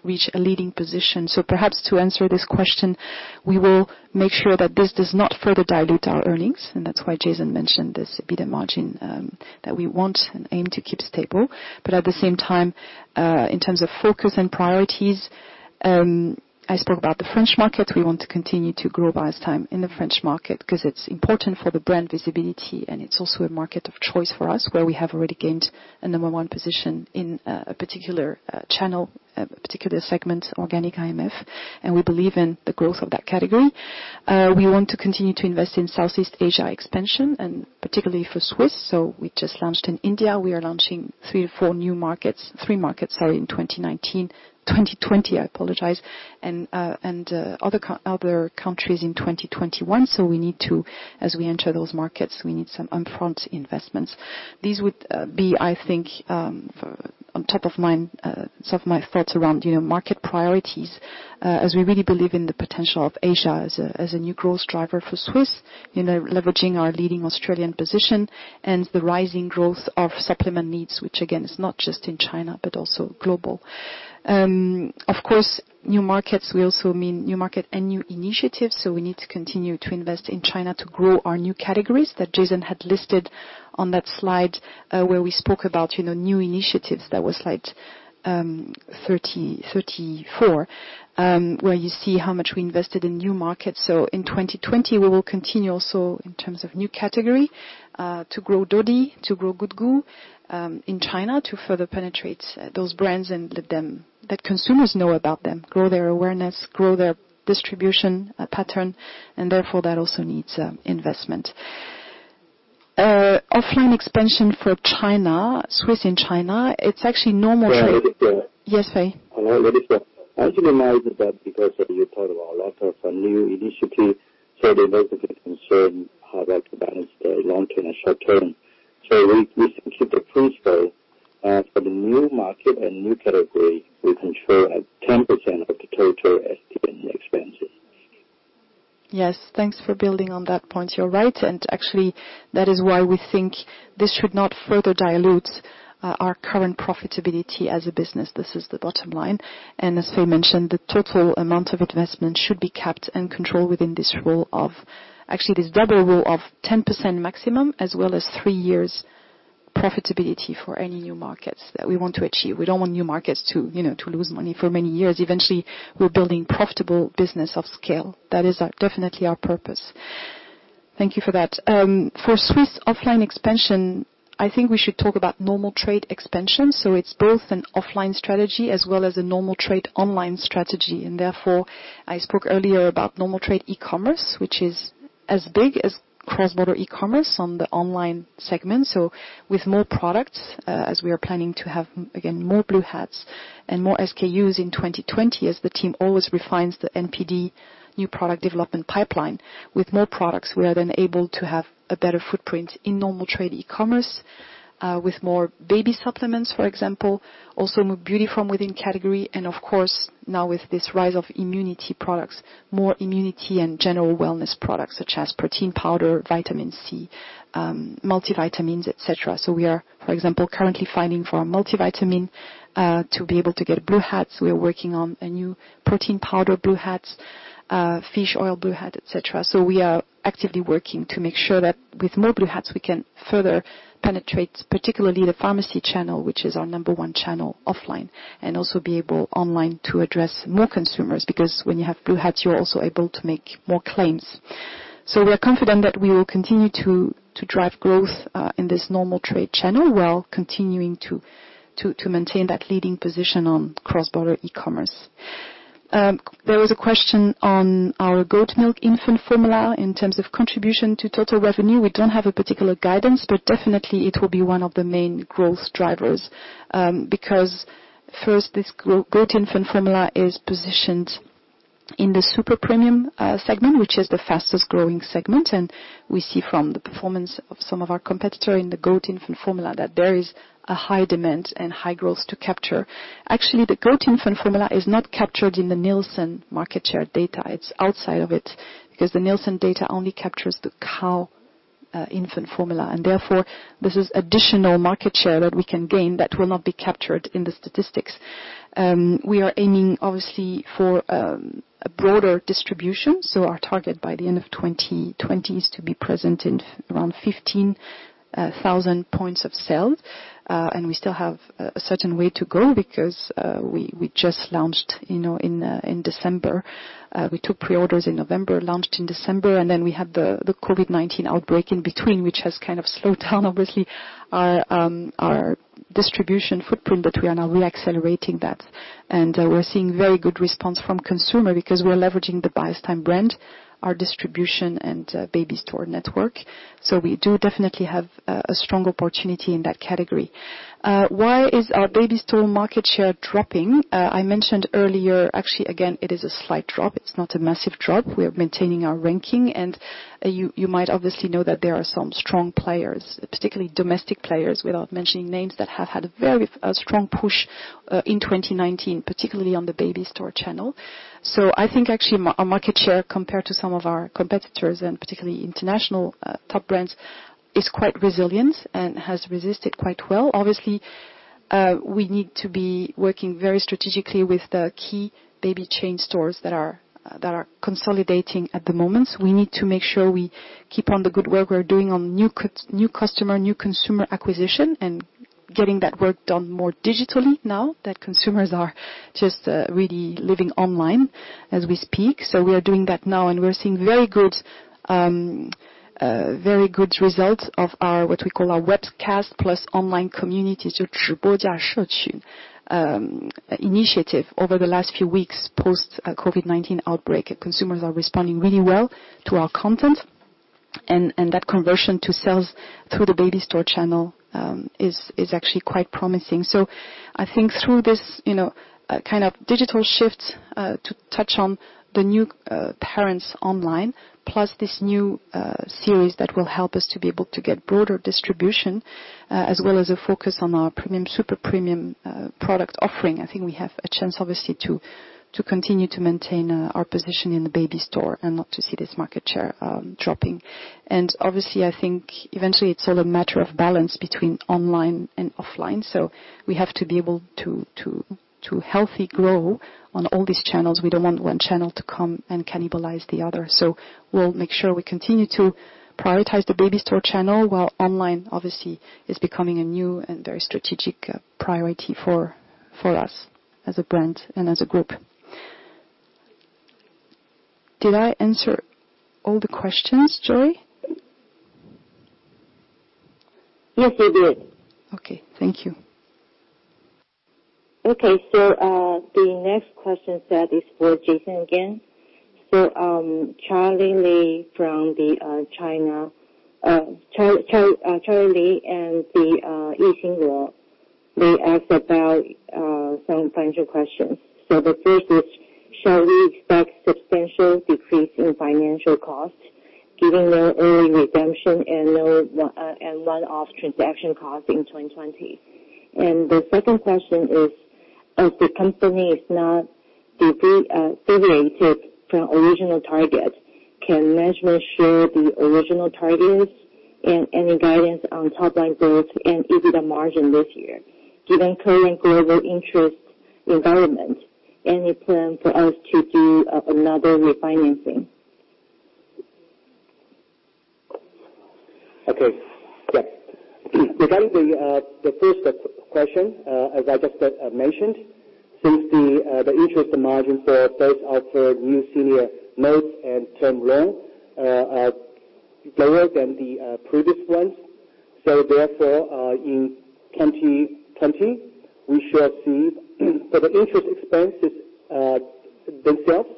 reach a leading position. Perhaps to answer this question, we will make sure that this does not further dilute our earnings, and that's why Jason mentioned this EBITDA margin that we want and aim to keep stable. At the same time, in terms of focus and priorities, I spoke about the French market. We want to continue to grow Biostime in the French market because it's important for the brand visibility, and it's also a market of choice for us, where we have already gained a number one position in a particular channel, a particular segment, organic IMF, and we believe in the growth of that category. We want to continue to invest in Southeast Asia expansion and particularly for Swisse Wellness. We just launched in India. We are launching three new markets, sorry, in 2019, 2020, I apologize, and other countries in 2021. We need to, as we enter those markets, we need some upfront investments. These would be, I think, on top of my thoughts around market priorities, as we really believe in the potential of Asia as a new growth driver for Swisse Wellness, leveraging our leading Australian position and the rising growth of supplement needs, which again, is not just in China but also global. Of course, new markets will also mean new market and new initiatives. We need to continue to invest in China to grow our new categories that Jason had listed on that slide where we spoke about new initiatives. That was slide 34, where you see how much we invested in new markets. In 2020, we will continue also in terms of new category to grow Dodie diapers, to grow Good Goût in China to further penetrate those brands and let consumers know about them, grow their awareness, grow their distribution pattern, and therefore that also needs investment. Offline expansion for China, Swisse in China, it's actually normal. Yeah, Laetitia. Yes, Fei? Hello, Laetitia. As you know that because you talked about a lot of new initiatives, there was a bit of concern how about to balance the long-term and short-term. We stick to the principle for the new market and new category, we control at 10% of the total S&D expenses. Yes. Thanks for building on that point. You're right. Actually, that is why we think this should not further dilute our current profitability as a business. This is the bottom line. As Fei mentioned, the total amount of investment should be capped and controlled within this actually, this double rule of 10% maximum as well as three years profitability for any new markets that we want to achieve. We don't want new markets to lose money for many years. Eventually, we're building profitable business of scale. That is definitely our purpose. Thank you for that. For Swisse Wellness offline expansion, I think we should talk about normal trade expansion. It's both an offline strategy as well as a normal trade online strategy, therefore, I spoke earlier about normal trade e-commerce, which is as big as cross-border e-commerce on the online segment. With more products, as we are planning to have, again, more blue hats and more SKUs in 2020, as the team always refines the NPD new product development pipeline. With more products, we are then able to have a better footprint in normal trade e-commerce, with more baby supplements, for example, also more beauty from within category, and of course, now with this rise of immunity products, more immunity and general wellness products such as protein powder, vitamin C, multivitamins, et cetera. We are, for example, currently filing for our multivitamin to be able to get blue hats. We are working on new protein powder blue hats, fish oil blue hat, et cetera. We are actively working to make sure that with more blue hats, we can further penetrate particularly the pharmacy channel, which is our number one channel offline, and also be able online to address more consumers, because when you have blue hats, you're also able to make more claims. We are confident that we will continue to drive growth in this normal trade channel, while continuing to maintain that leading position on cross-border e-commerce. There was a question on our goat milk infant formula in terms of contribution to total revenue. We don't have a particular guidance, but definitely it will be one of the main growth drivers. First, this goat infant formula is positioned in the super premium segment, which is the fastest-growing segment, and we see from the performance of some of our competitor in the goat infant formula that there is a high demand and high growth to capture. Actually, the goat infant formula is not captured in the Nielsen market share data. It's outside of it, because the Nielsen data only captures the cow infant formula, therefore, this is additional market share that we can gain that will not be captured in the statistics. We are aiming, obviously, for a broader distribution. Our target by the end of 2020 is to be present in around 15,000 points of sale. We still have a certain way to go because we just launched in December. We took pre-orders in November, launched in December, and then we had the COVID-19 outbreak in between, which has kind of slowed down, obviously, our distribution footprint, but we are now re-accelerating that. We're seeing very good response from consumer because we are leveraging the Biostime brand, our distribution, and baby store network. We do definitely have a strong opportunity in that category. Why is our baby store market share dropping? I mentioned earlier, actually, again, it is a slight drop. It's not a massive drop. We are maintaining our ranking, and you might obviously know that there are some strong players, particularly domestic players, without mentioning names, that have had a very strong push in 2019, particularly on the baby store channel. I think actually our market share compared to some of our competitors and particularly international top brands, is quite resilient and has resisted quite well. Obviously, we need to be working very strategically with the key baby chain stores that are consolidating at the moment. We need to make sure we keep on the good work we're doing on new customer, new consumer acquisition, and getting that work done more digitally now that consumers are just really living online as we speak. We are doing that now and we are seeing very good results of our, what we call our webcast plus online community initiative over the last few weeks post COVID-19 outbreak. Consumers are responding really well to our content, and that conversion to sales through the baby store channel is actually quite promising. I think through this kind of digital shift to touch on the new parents online, plus this new series that will help us to be able to get broader distribution, as well as a focus on our premium, super premium product offering. I think we have a chance, obviously, to continue to maintain our position in the baby store and not to see this market share dropping. Obviously, I think eventually, it's all a matter of balance between online and offline. We have to be able to healthy grow on all these channels. We don't want one channel to come and cannibalize the other. We'll make sure we continue to prioritize the baby store channel, while online obviously is becoming a new and very strategic priority for us as a brand and as a group. Did I answer all the questions, Joy? Yes, you did. Okay. Thank you. Okay. The next question set is for Jason again. Charlie Lee and they ask about some financial questions. The first is, shall we expect substantial decrease in financial cost given their early redemption and one-off transaction cost in 2020? The second question is, as the company is now deviated from original target, can management share the original targets and any guidance on top line growth and EBITDA margin this year? Given current global interest environment, any plan for us to do another refinancing? Okay. Yeah. Regarding the first question, as I just mentioned, since the interest margin for both our new senior notes and term loan are lower than the previous ones, therefore, in 2020, we should see for the interest expenses themselves,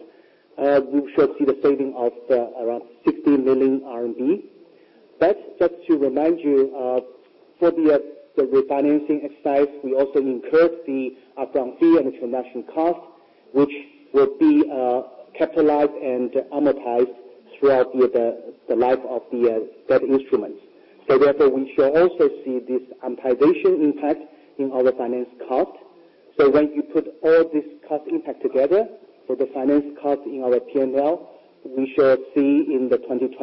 we should see the saving of around 60 million RMB. Just to remind you, for the refinancing exercise, we also incurred the upfront fee and transaction cost, which will be capitalized and amortized throughout the life of the debt instruments. Therefore, we should also see this amortization impact in our finance cost. When you put all this cost impact together for the finance cost in our P&L, we should see in 2020,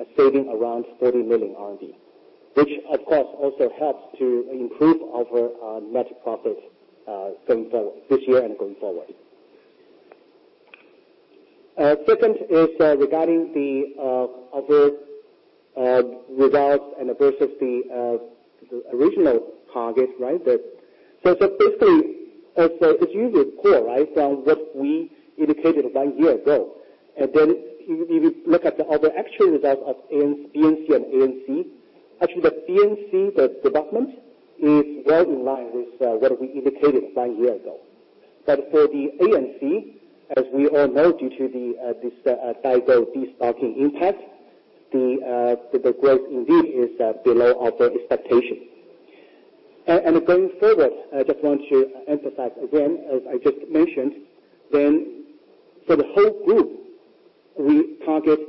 a saving around 40 million RMB. Which, of course, also helps to improve our net profit this year and going forward. Second is regarding the overall results and versus the original target, right? Basically, also it's really core from what we indicated one year ago. If you look at the other actual results of BNC and ANC, actually the BNC, the development is well in line with what we indicated one year ago. For the ANC, as we all know, due to this daigou de-stocking impact, the growth indeed is below our expectation. Going forward, I just want to emphasize again, as I just mentioned, for the whole group, we target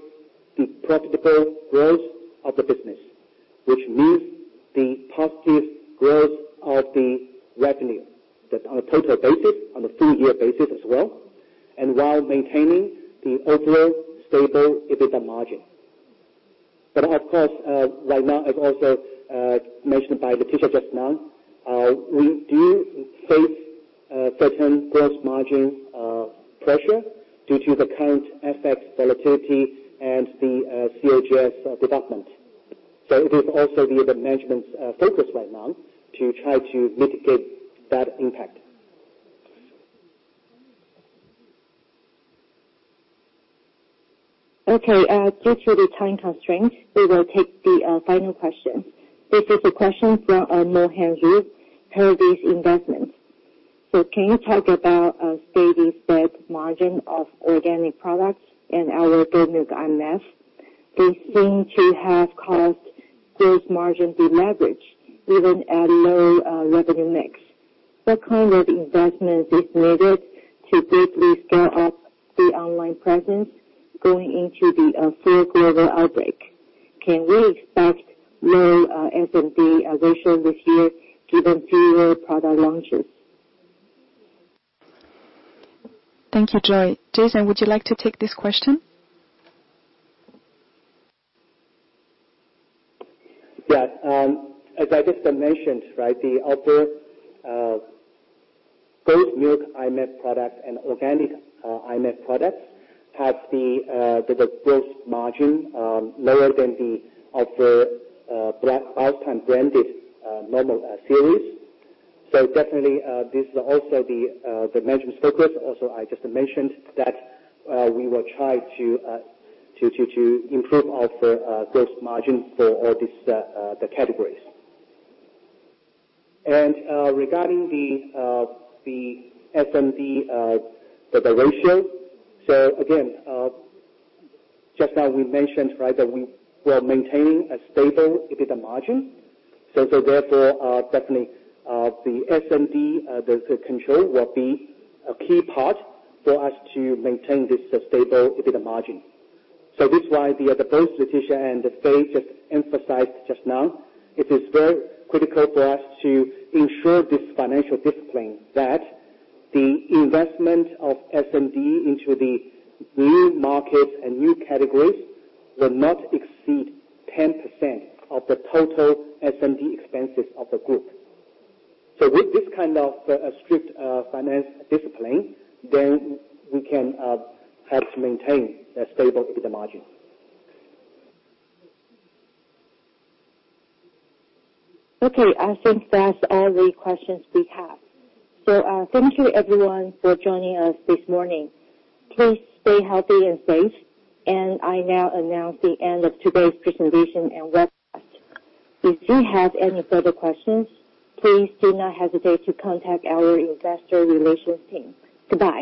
the profitable growth of the business, which means the positive growth of the revenue on a total basis, on a full year basis as well, and while maintaining the overall stable EBITDA margin. Of course, right now, as also mentioned by Laetitia just now, we do face certain gross margin pressure due to the current FX volatility and the COGS development. It is also the management's focus right now to try to mitigate that impact. Okay, due to the time constraint, we will take the final question. This is a question from (Mohan Si, Paradice Investments). Can you talk about a stand-alone margin of organic products and our goat milk IMF? They seem to have caused gross margin deleverage, even at low revenue mix. What kind of investment is needed to quickly scale up the online presence going into the fourth global outbreak? Can we expect low S&D elevation this year given new product launches? Thank you, Joy. Jason, would you like to take this question? Yes. As I just mentioned, the overall goat milk IMF product and organic IMF products have the gross margin lower than the overall brand, house-brand branded normal series. Definitely, this is also the management's focus. I just mentioned that we will try to improve our gross margin for all the categories. Regarding the S&D, the ratio, so again, just now we mentioned that we were maintaining a stable EBITDA margin. Therefore, definitely the S&D, the control will be a key part for us to maintain this stable EBITDA margin. That's why both Laetitia and Fei just emphasized just now, it is very critical for us to ensure this financial discipline that the investment of S&D into the new markets and new categories will not exceed 10% of the total S&D expenses of the group. With this kind of strict finance discipline, then we can help to maintain a stable EBITDA margin. Okay, I think that's all the questions we have. Thank you everyone for joining us this morning. Please stay healthy and safe. I now announce the end of today's presentation and webcast. If you have any further questions, please do not hesitate to contact our investor relations team. Goodbye.